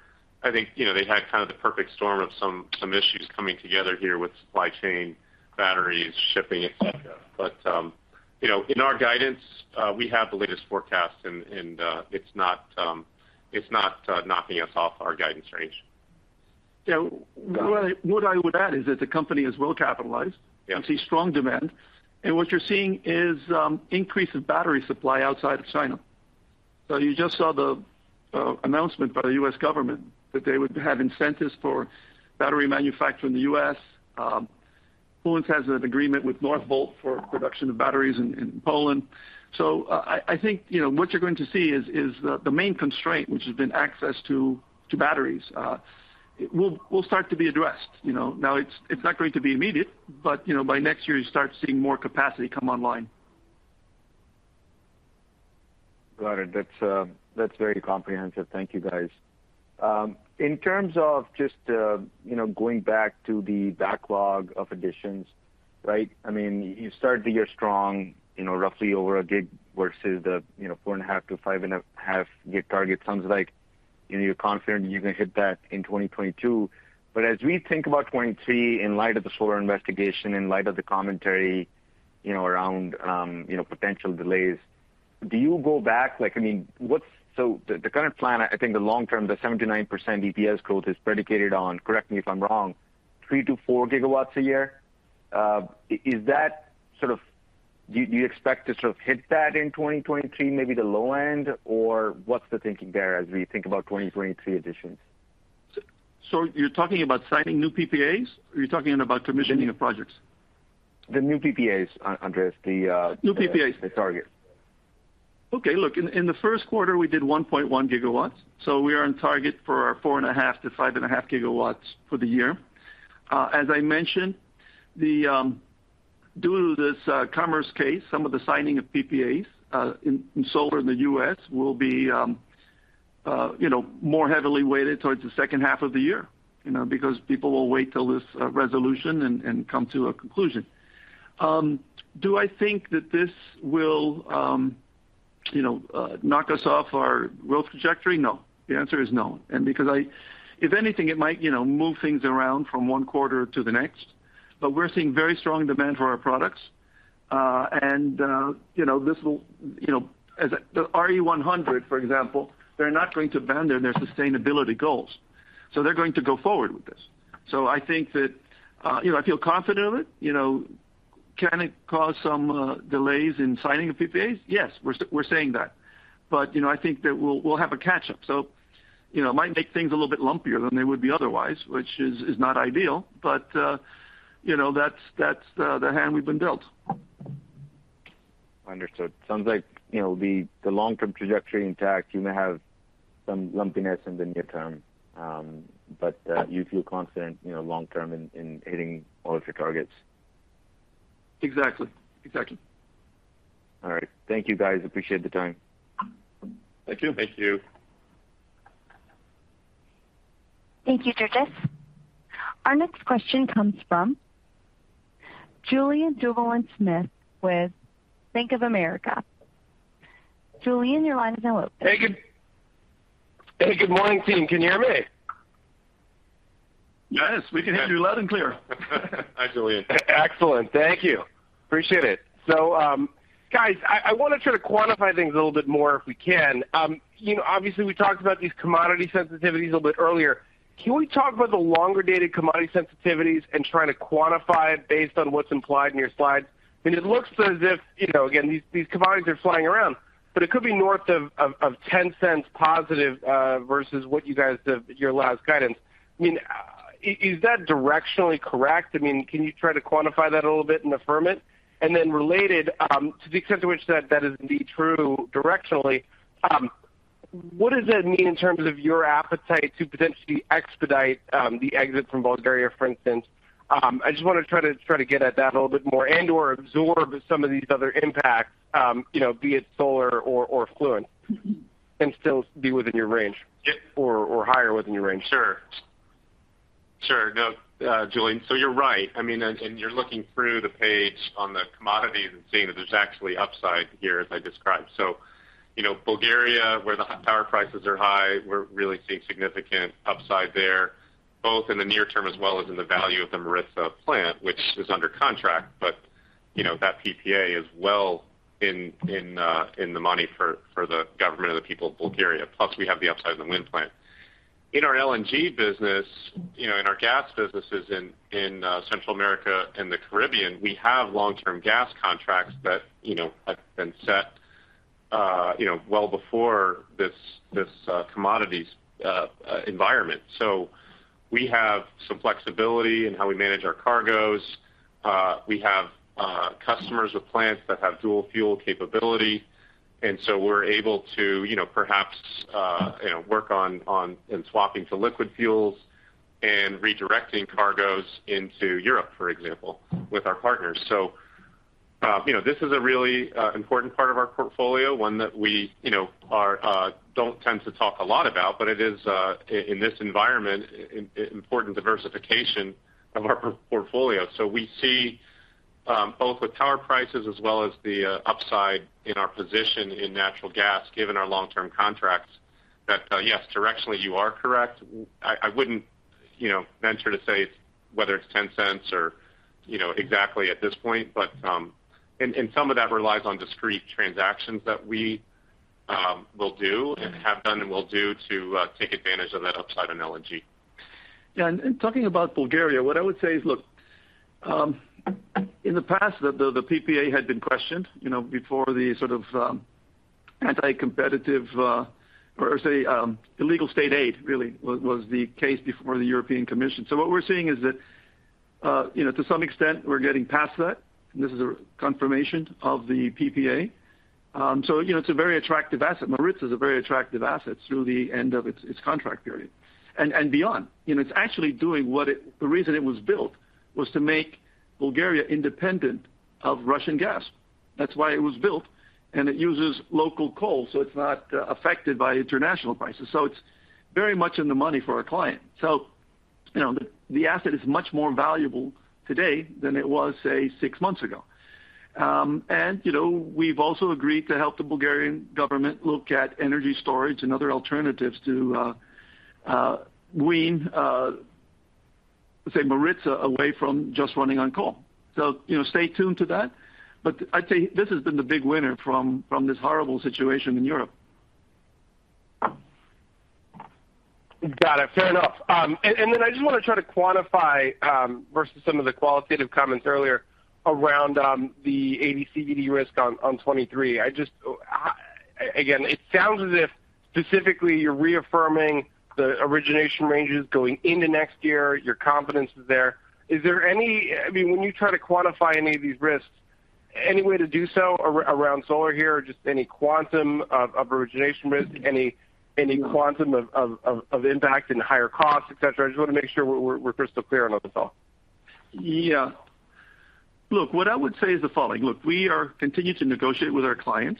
D: I think, you know, they had kind of the perfect storm of some issues coming together here with supply chain, batteries, shipping, et cetera. You know, in our guidance, we have the latest forecast and it's not knocking us off our guidance range.
C: Yeah. What I would add is that the company is well capitalized.
D: Yeah.
C: Sees strong demand. What you're seeing is, increase of battery supply outside of China. You just saw the announcement by the US government that they would have incentives for battery manufacture in the U.S. Fluence has an agreement with Northvolt for production of batteries in Poland. I think, you know, what you're going to see is the main constraint, which has been access to batteries, will start to be addressed, you know. Now, it's not going to be immediate, but, you know, by next year, you start seeing more capacity come online.
G: Got it. That's very comprehensive. Thank you, guys. In terms of just, you know, going back to the backlog of additions, right? I mean, you started the year strong, you know, roughly over a gig versus the, you know, 4.5 GW-5.5 GW target. Sounds like you're confident you're gonna hit that in 2022. As we think about 2023 in light of the solar investigation, in light of the commentary, you know, around, you know, potential delays, do you go back? Like, I mean, what's the current plan? I think the long-term, the 79% EPS growth is predicated on, correct me if I'm wrong, 3 GW-4 GW a year. Is that sort of... Do you expect to sort of hit that in 2023, maybe the low end? What's the thinking there as we think about 2023 additions?
C: You're talking about signing new PPAs or you're talking about commissioning of projects?
G: The new PPAs, Andrés.
C: New PPAs
G: the target.
C: Okay. Look, in the first quarter we did 1.1 GW, so we are on target for our 4.5 GW-5.5 GW for the year. As I mentioned, the due to this commerce case, some of the signing of PPAs in solar in the U.S. will be you know, more heavily weighted towards the second half of the year, you know, because people will wait till this resolution and come to a conclusion. Do I think that this will you know knock us off our growth trajectory? No. The answer is no. Because if anything, it might you know move things around from one quarter to the next. We're seeing very strong demand for our products. You know, this will, you know, the RE100, for example, they're not going to abandon their sustainability goals, so they're going to go forward with this. I think that, you know, I feel confident of it. You know, can it cause some delays in signing of PPAs? Yes, we're saying that. You know, I think that we'll have a catch up. You know, it might make things a little bit lumpier than they would be otherwise, which is not ideal. You know, that's the hand we've been dealt.
G: Understood. Sounds like, you know, the long-term trajectory intact, you may have some lumpiness in the near term, but you feel confident, you know, long-term in hitting all of your targets.
C: Exactly. Exactly.
G: All right. Thank you, guys. Appreciate the time.
C: Thank you.
D: Thank you.
A: Thank you, Durgesh Chopra. Our next question comes from Julien Dumoulin-Smith with Bank of America. Julien, your line is now open.
H: Hey, good morning, team. Can you hear me?
C: Yes, we can hear you loud and clear.
D: Hi, Julien.
H: Excellent. Thank you. Appreciate it. Guys, I wanna try to quantify things a little bit more if we can. You know, obviously we talked about these commodity sensitivities a little bit earlier. Can we talk about the longer dated commodity sensitivities and try to quantify it based on what's implied in your slide? I mean, it looks as if, you know, again, these commodities are flying around, but it could be north of $0.10+ versus what you guys have your last guidance. I mean, is that directionally correct? I mean, can you try to quantify that a little bit and affirm it? Related, to the extent to which that is indeed true directionally, what does that mean in terms of your appetite to potentially expedite the exit from Bulgaria, for instance? I just wanna try to get at that a little bit more and/or absorb some of these other impacts, you know, be it solar or Fluence, and still be within your range or higher within your range.
D: Sure. No, Julien, you're right. I mean, and you're looking through the page on the commodities and seeing that there's actually upside here as I described. You know, Bulgaria, where the power prices are high, we're really seeing significant upside there, both in the near term as well as in the value of the Maritsa plant, which is under contract. You know, that PPA is well in the money for the government of the people of Bulgaria, plus we have the upside in the wind plant. In our LNG business, you know, in our gas businesses in Central America and the Caribbean, we have long-term gas contracts that, you know, have been set well before this commodities environment. We have some flexibility in how we manage our cargoes. We have customers with plants that have dual fuel capability, and so we're able to, you know, perhaps, you know, work on in swapping to liquid fuels and redirecting cargoes into Europe, for example, with our partners. You know, this is a really important part of our portfolio, one that we, you know, don't tend to talk a lot about, but it is in this environment, important diversification of our portfolio. We see both with power prices as well as the upside in our position in natural gas, given our long-term contracts, that yes, directionally you are correct. I wouldn't, you know, venture to say whether it's $0.10 or, you know, exactly at this point, but. Some of that relies on discrete transactions that we will do and have done and will do to take advantage of that upside in LNG.
C: Yeah. Talking about Bulgaria, what I would say is, look, in the past, the PPA had been questioned, you know, before the sort of anti-competitive, or say, illegal state aid really was the case before the European Commission. What we're seeing is that, you know, to some extent we're getting past that, and this is a confirmation of the PPA. You know, it's a very attractive asset. Maritsa is a very attractive asset through the end of its contract period and beyond. You know, it's actually doing. The reason it was built was to make Bulgaria independent of Russian gas. That's why it was built, and it uses local coal, so it's not affected by international prices. It's very much in the money for our client. You know, the asset is much more valuable today than it was, say, six months ago. You know, we've also agreed to help the Bulgarian government look at energy storage and other alternatives to wean, say, Maritsa away from just running on coal. You know, stay tuned to that. I'd say this has been the big winner from this horrible situation in Europe.
H: Got it. Fair enough. I just want to try to quantify versus some of the qualitative comments earlier around the AD/CVD risk on 2023. I just again, it sounds as if specifically you're reaffirming the origination ranges going into next year. Your confidence is there. I mean, when you try to quantify any of these risks, any way to do so around solar here or just any quantum of origination risk, any quantum of impact and higher costs, et cetera? I just want to make sure we're crystal clear on the thought.
C: Yeah. Look, what I would say is the following. Look, we are continuing to negotiate with our clients.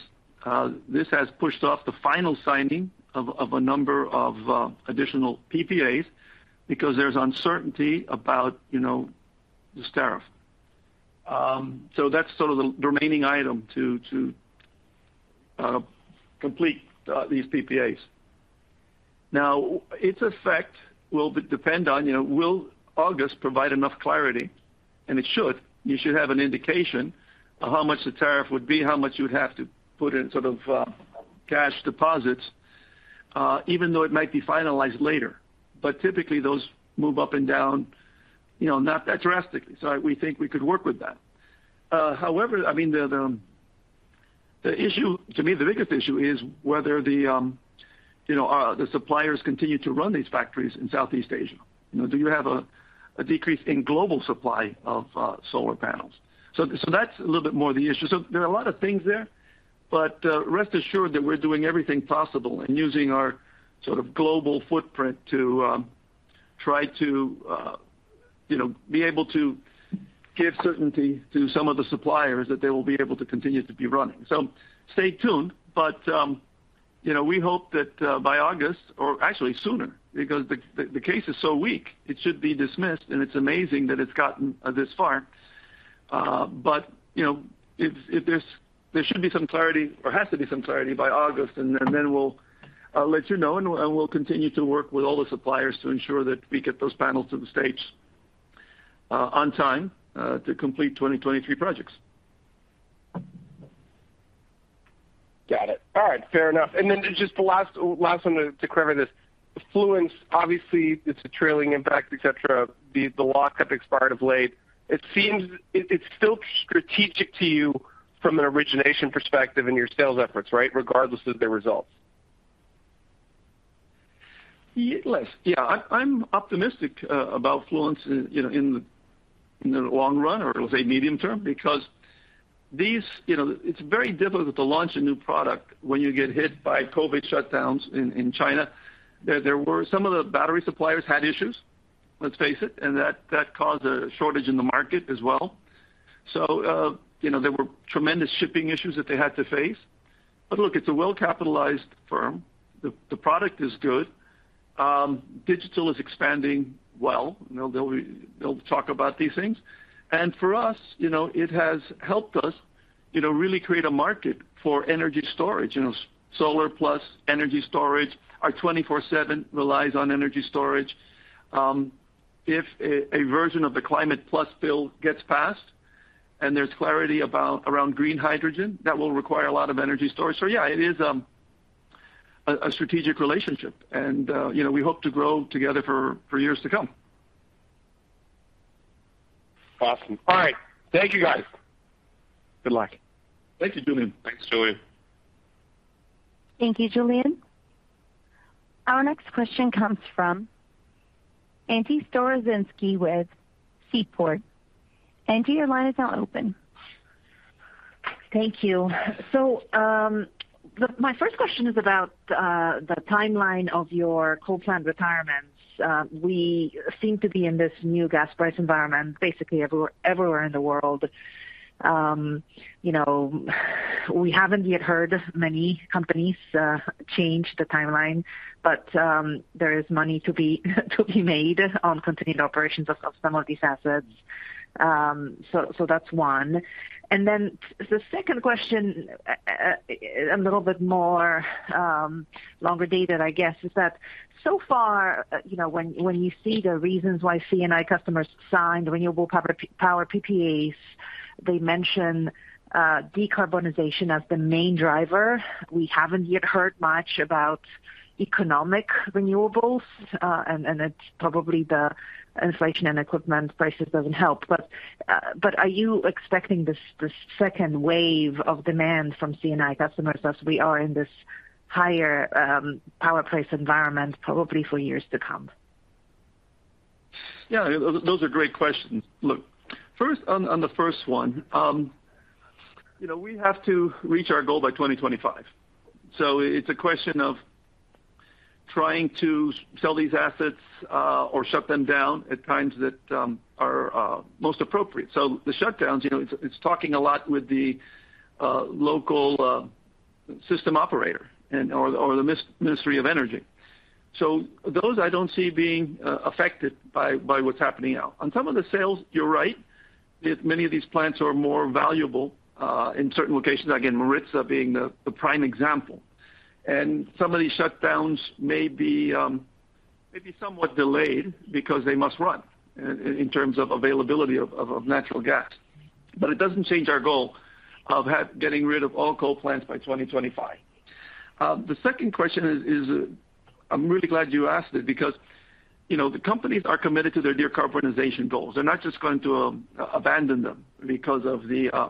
C: This has pushed off the final signing of a number of additional PPAs because there's uncertainty about, you know, this tariff. So that's sort of the remaining item to complete these PPAs. Now, its effect will depend on, you know, will August provide enough clarity? It should. You should have an indication of how much the tariff would be, how much you would have to put in sort of cash deposits, even though it might be finalized later. Typically, those move up and down, you know, not that drastically. So we think we could work with that. However, I mean, the issue to me, the biggest issue is whether the you know, the suppliers continue to run these factories in Southeast Asia. You know, do you have a decrease in global supply of solar panels? That's a little bit more of the issue. There are a lot of things there, but rest assured that we're doing everything possible and using our sort of global footprint to try to you know, be able to give certainty to some of the suppliers that they will be able to continue to be running. Stay tuned. You know, we hope that by August or actually sooner, because the case is so weak, it should be dismissed, and it's amazing that it's gotten this far. you know, if there's there should be some clarity or has to be some clarity by August, then we'll let you know, and we'll continue to work with all the suppliers to ensure that we get those panels to the States on time to complete 2023 projects.
H: Got it. All right, fair enough. Just the last one to cover this. Fluence, obviously it's a trailing impact, et cetera. The lock-up expired of late. It seems it's still strategic to you from an origination perspective in your sales efforts, right? Regardless of the results.
C: Yes. Yeah, I'm optimistic about Fluence in the long run or let's say medium term, because it's very difficult to launch a new product when you get hit by COVID shutdowns in China. There were some of the battery suppliers had issues, let's face it, and that caused a shortage in the market as well. So, you know, there were tremendous shipping issues that they had to face. But look, it's a well-capitalized firm. The product is good. Digital is expanding well. You know, they'll talk about these things. For us, you know, it has helped us, you know, really create a market for energy storage. You know, solar plus energy storage. Our 24/7 relies on energy storage. If a version of the Climate Plus bill gets passed and there's clarity around green hydrogen, that will require a lot of energy storage. Yeah, it is a strategic relationship and, you know, we hope to grow together for years to come.
H: Awesome. All right. Thank you, guys.
C: Good luck. Thank you, Julien.
D: Thanks, Julien.
A: Thank you, Julien. Our next question comes from Angie Storozynski with Seaport. Angie, your line is now open.
I: Thank you. My first question is about the timeline of your coal plant retirements. We seem to be in this new gas price environment basically everywhere in the world. You know, we haven't yet heard many companies change the timeline, but there is money to be made on continued operations of some of these assets. That's one. The second question, a little bit more longer dated, I guess, is that so far, you know, when you see the reasons why C&I customers sign the renewable power PPAs, they mention decarbonization as the main driver. We haven't yet heard much about economic renewables, and it's probably the inflation and equipment prices doesn't help. Are you expecting this second wave of demand from C&I customers as we are in this higher power price environment probably for years to come?
C: Yeah, those are great questions. Look, first, on the first one, you know, we have to reach our goal by 2025. It's a question of trying to sell these assets or shut them down at times that are most appropriate. The shutdowns, you know, it's talking a lot with the local system operator and/or the ministry of energy. Those I don't see being affected by what's happening now. On some of the sales, you're right. Many of these plants are more valuable in certain locations, again, Maritsa being the prime example. Some of these shutdowns may be somewhat delayed because they must run in terms of availability of natural gas. It doesn't change our goal of getting rid of all coal plants by 2025. The second question is, I'm really glad you asked it because, you know, the companies are committed to their decarbonization goals. They're not just going to abandon them because of the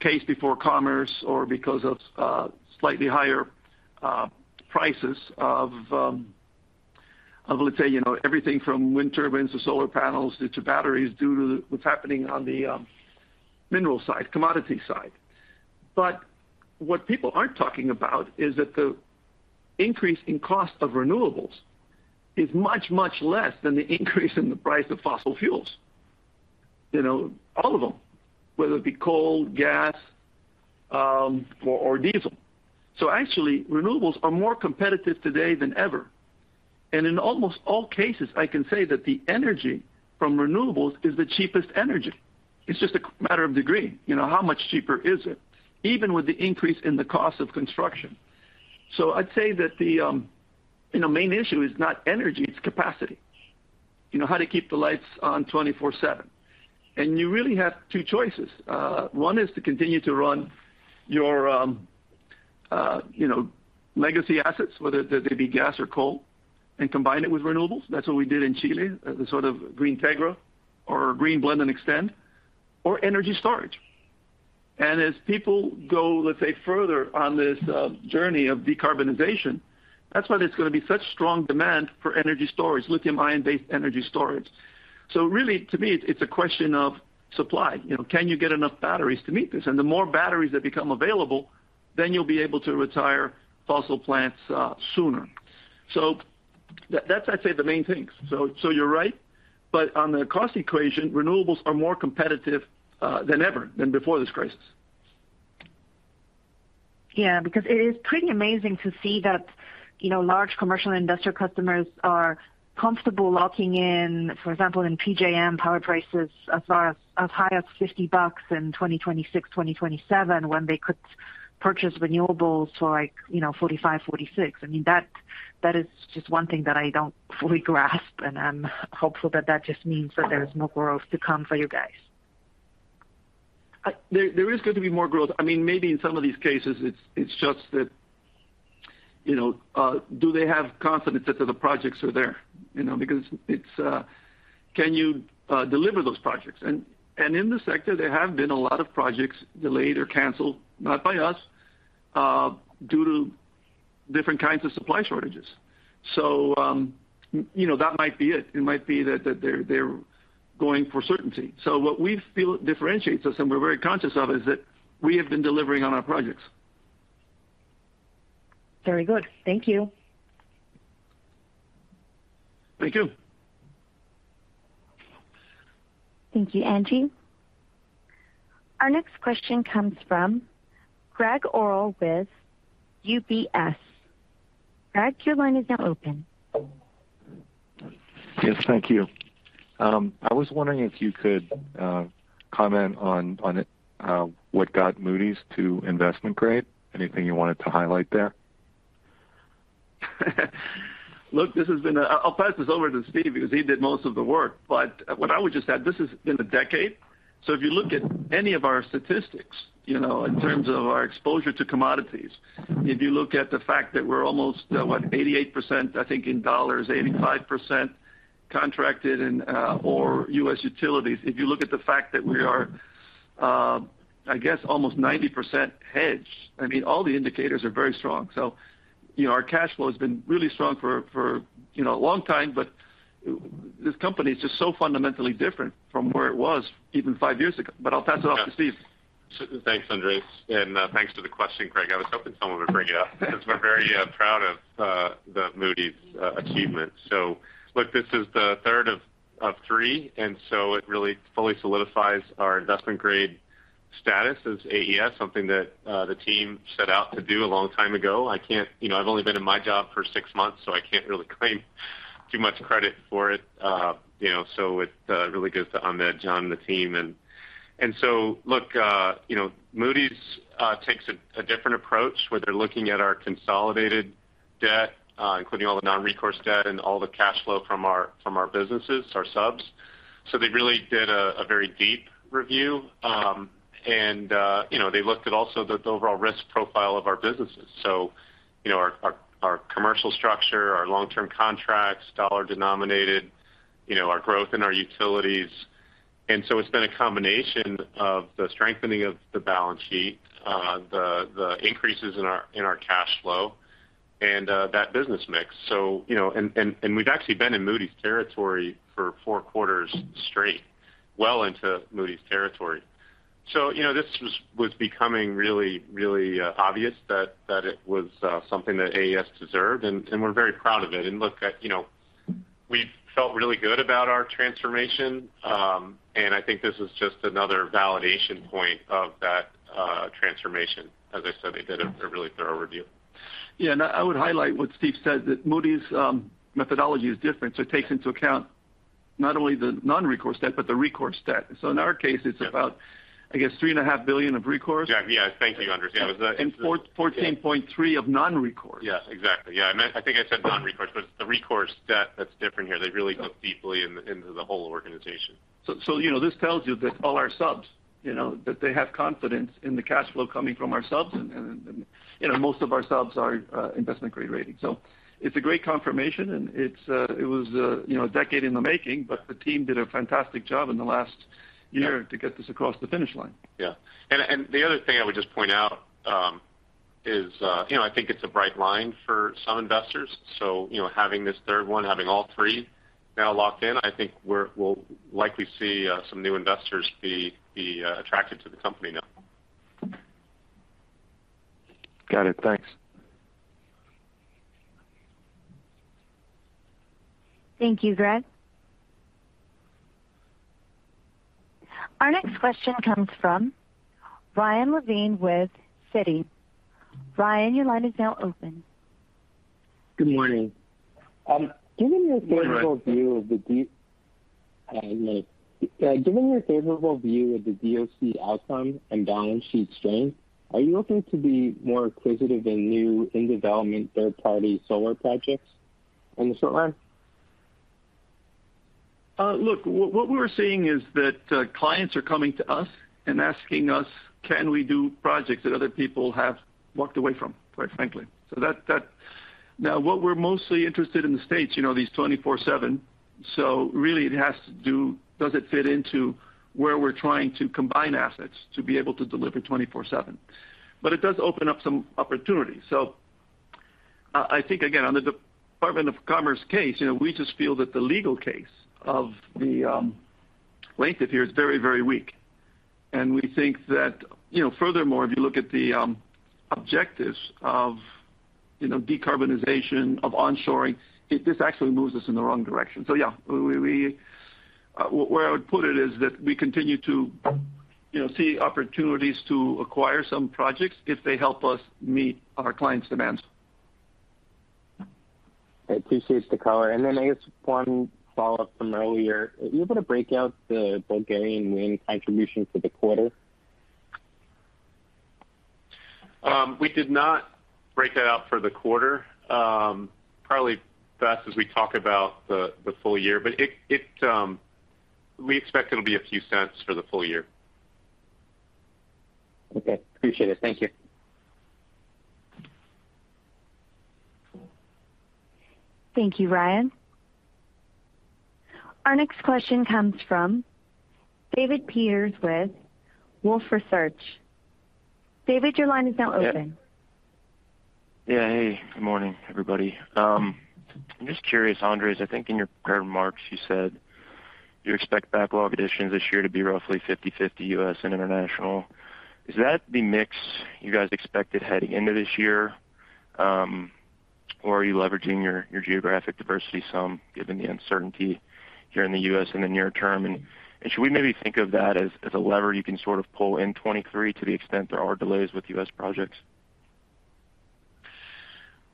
C: case before Commerce or because of slightly higher prices of let's say, you know, everything from wind turbines to solar panels to batteries due to what's happening on the mineral side, commodity side. What people aren't talking about is that the increase in cost of renewables is much, much less than the increase in the price of fossil fuels. You know, all of them, whether it be coal, gas, or diesel. Actually, renewables are more competitive today than ever. In almost all cases, I can say that the energy from renewables is the cheapest energy. It's just a matter of degree. You know, how much cheaper is it? Even with the increase in the cost of construction. I'd say that the main issue is not energy, it's capacity. You know, how to keep the lights on 24/7. You really have two choices. One is to continue to run your legacy assets, whether they be gas or coal, and combine it with renewables. That's what we did in Chile, the sort of Greentegra or Green Blend and Extend, or energy storage. As people go, let's say, further on this journey of decarbonization, that's why there's gonna be such strong demand for energy storage, lithium-ion-based energy storage. Really, to me, it's a question of supply. You know, can you get enough batteries to meet this? The more batteries that become available, then you'll be able to retire fossil plants sooner. That's, I'd say, the main things. You're right, but on the cost equation, renewables are more competitive than ever, than before this crisis.
I: Yeah, because it is pretty amazing to see that, you know, large commercial investor customers are comfortable locking in, for example, in PJM power prices as far as high as $50 in 2026, 2027, when they could purchase renewables for like, you know, $45, $46. I mean, that is just one thing that I don't fully grasp, and I'm hopeful that that just means that there's more growth to come for you guys.
C: There is going to be more growth. I mean, maybe in some of these cases, it's just that, you know, do they have confidence that the projects are there? You know, because can you deliver those projects? In this sector, there have been a lot of projects delayed or canceled, not by us, due to different kinds of supply shortages. You know, that might be it. It might be that they're going for certainty. What we feel differentiates us, and we're very conscious of, is that we have been delivering on our projects.
I: Very good. Thank you.
C: Thank you.
A: Thank you, Angie. Our next question comes from Gregg Orrill with UBS. Gregg, your line is now open.
J: Yes, thank you. I was wondering if you could comment on what got Moody's to investment grade. Anything you wanted to highlight there?
C: Look, this has been. I'll pass this over to Steve because he did most of the work. What I would just add, this has been a decade. If you look at any of our statistics, you know, in terms of our exposure to commodities, if you look at the fact that we're almost, what, 88%, I think in dollars, 85% contracted and or US utilities. If you look at the fact that we are, I guess almost 90% hedged, I mean, all the indicators are very strong. You know, our cash flow has been really strong for you know, a long time, but this company is just so fundamentally different from where it was even five years ago. I'll pass it off to Steve.
D: Thanks, Andrés. Thanks for the question, Gregg. I was hoping someone would bring it up because we're very proud of the Moody's achievement. Look, this is the third of three, and so it really fully solidifies our investment grade status as AES, something that the team set out to do a long time ago. I can't. You know, I've only been in my job for six months, so I can't really claim too much credit for it. You know, so it really goes to Ahmed, John, the team. And so look, you know, Moody's takes a different approach where they're looking at our consolidated debt, including all the non-recourse debt and all the cash flow from our businesses, our subs. They really did a very deep review. You know, they looked at also the overall risk profile of our businesses. You know, our commercial structure, our long-term contracts, dollar-denominated, you know, our growth in our utilities. It's been a combination of the strengthening of the balance sheet, the increases in our cash flow and that business mix. You know, we've actually been in Moody's territory for four quarters straight, well into Moody's territory. You know, this was becoming really obvious that it was something that AES deserved, and we're very proud of it. Look, you know. We felt really good about our transformation. I think this is just another validation point of that transformation. As I said, they did a really thorough review.
C: Yeah. I would highlight what Steve said, that Moody's methodology is different. It takes into account not only the non-recourse debt, but the recourse debt. In our case, it's about, I guess, $3.5 billion of recourse.
D: Yeah. Thank you. I understand.
C: $14.3 billion of non-recourse.
D: Yes. Exactly. Yeah. I think I said non-recourse, but it's the recourse debt that's different here. They really look deeply into the whole organization.
C: So you know, this tells you that all our subs, you know, that they have confidence in the cash flow coming from our subs and you know, most of our subs are investment-grade rating. It's a great confirmation and it's, you know, a decade in the making, but the team did a fantastic job in the last year to get this across the finish line.
D: The other thing I would just point out, you know, I think it's a bright line for some investors. You know, having this third one, having all three now locked in, I think we'll likely see some new investors be attracted to the company now.
J: Got it. Thanks.
A: Thank you, Gregg. Our next question comes from Ryan Levine with Citi. Ryan, your line is now open.
K: Good morning. Given your-
D: Good morning.
K: Given your favorable view of the DOC outcome and balance sheet strength, are you looking to be more acquisitive in new in-development third-party solar projects on the short line?
C: Look, what we're seeing is that clients are coming to us and asking us can we do projects that other people have walked away from, quite frankly. Now, what we're mostly interested in the States, you know, these 24/7, so really does it fit into where we're trying to combine assets to be able to deliver 24/7. It does open up some opportunities. I think again, on the Department of Commerce case, you know, we just feel that the legal case of the plaintiff here is very, very weak. We think that, you know, furthermore, if you look at the objectives of decarbonization and onshoring, this actually moves us in the wrong direction. Where I would put it is that we continue to, you know, see opportunities to acquire some projects if they help us meet our clients' demands.
K: I appreciate the color. I guess one follow-up from earlier. Are you able to break out the Bulgarian wind contribution for the quarter?
D: We did not break that out for the quarter. Probably best as we talk about the full year. We expect it'll be a few cents for the full year.
K: Okay. Appreciate it. Thank you.
A: Thank you, Ryan. Our next question comes from David Peters with Wolfe Research. David, your line is now open.
L: Yeah. Hey, good morning, everybody. I'm just curious, Andrés, I think in your prepared remarks, you said you expect backlog additions this year to be roughly 50/50 U.S. and international. Is that the mix you guys expected heading into this year? Or are you leveraging your geographic diversity some given the uncertainty here in the U.S. in the near term? Should we maybe think of that as a lever you can sort of pull in 2023 to the extent there are delays with US projects?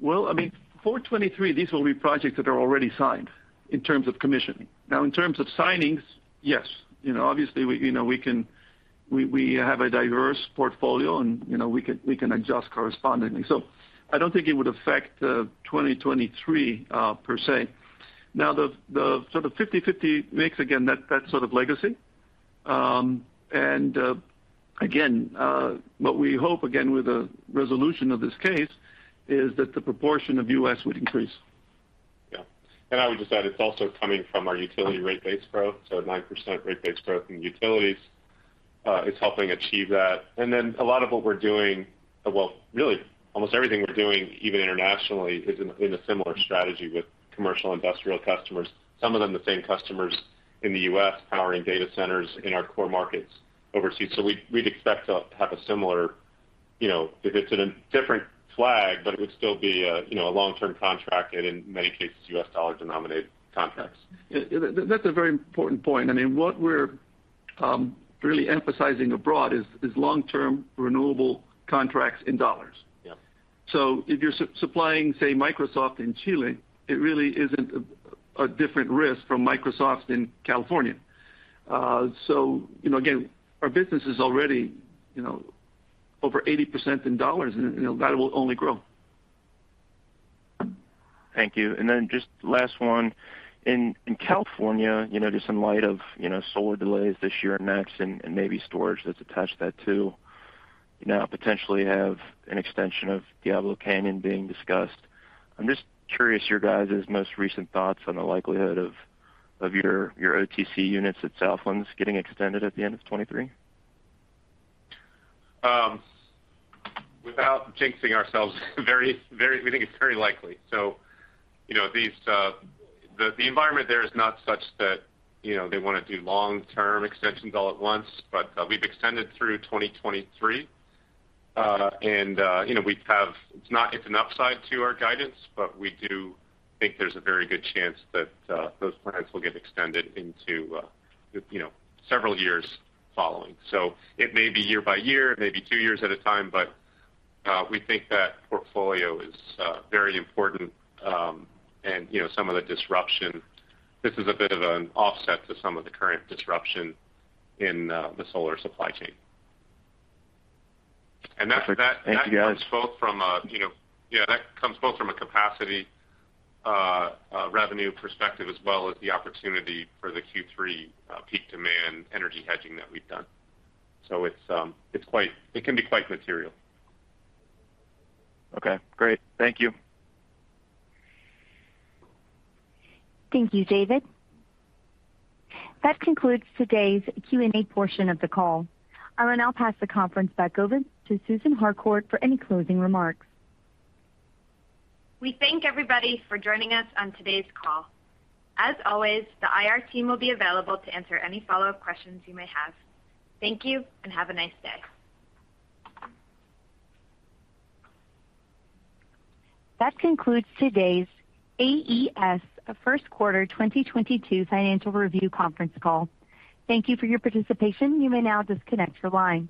C: Well, I mean, for 2023, these will be projects that are already signed in terms of commissioning. Now, in terms of signings, yes. You know, obviously, we have a diverse portfolio and, you know, we can adjust correspondingly. I don't think it would affect 2023 per se. Now, the sort of 50/50 mix, again, that's sort of legacy. Again, what we hope with the resolution of this case is that the proportion of U.S. would increase.
D: Yeah. I would just add, it's also coming from our utility rate base growth. Nine percent rate base growth in utilities is helping achieve that. Then a lot of what we're doing, well, really almost everything we're doing even internationally is in a similar strategy with commercial industrial customers. Some of them the same customers in the U.S. powering data centers in our core markets overseas. We'd expect to have a similar, you know, if it's in a different flag, but it would still be a, you know, a long-term contract and in many cases, US dollar denominated contracts.
C: Yeah. That's a very important point. I mean, what we're really emphasizing abroad is long-term renewable contracts in US dollars.
D: Yeah.
C: If you're supplying, say, Microsoft in Chile, it really isn't a different risk from Microsoft in California. You know, again, our business is already, you know, over 80% in dollars and, you know, that will only grow.
L: Thank you. Just last one. In California, you know, just in light of, you know, solar delays this year and next and maybe storage that's attached to that too, you now potentially have an extension of Diablo Canyon being discussed. I'm just curious your guys' most recent thoughts on the likelihood of your OTC units at Southland getting extended at the end of 2023.
D: Without jinxing ourselves, we think it's very likely. You know, these, the environment there is not such that, you know, they wanna do long-term extensions all at once, but we've extended through 2023. It's an upside to our guidance, but we do think there's a very good chance that those plans will get extended into, you know, several years following. It may be year by year, it may be two years at a time, but we think that portfolio is very important, and you know, some of the disruption. This is a bit of an offset to some of the current disruption in the solar supply chain. That's.
L: Thank you, guys.
D: That comes both from a capacity revenue perspective as well as the opportunity for the Q3 peak demand energy hedging that we've done. It can be quite material.
L: Okay, great. Thank you.
A: Thank you, David. That concludes today's Q&A portion of the call. I will now pass the conference back over to Susan Harcourt for any closing remarks.
B: We thank everybody for joining us on today's call. As always, the IR team will be available to answer any follow-up questions you may have. Thank you, and have a nice day.
A: That concludes today's AES first quarter 2022 financial review conference call. Thank you for your participation. You may now disconnect your line.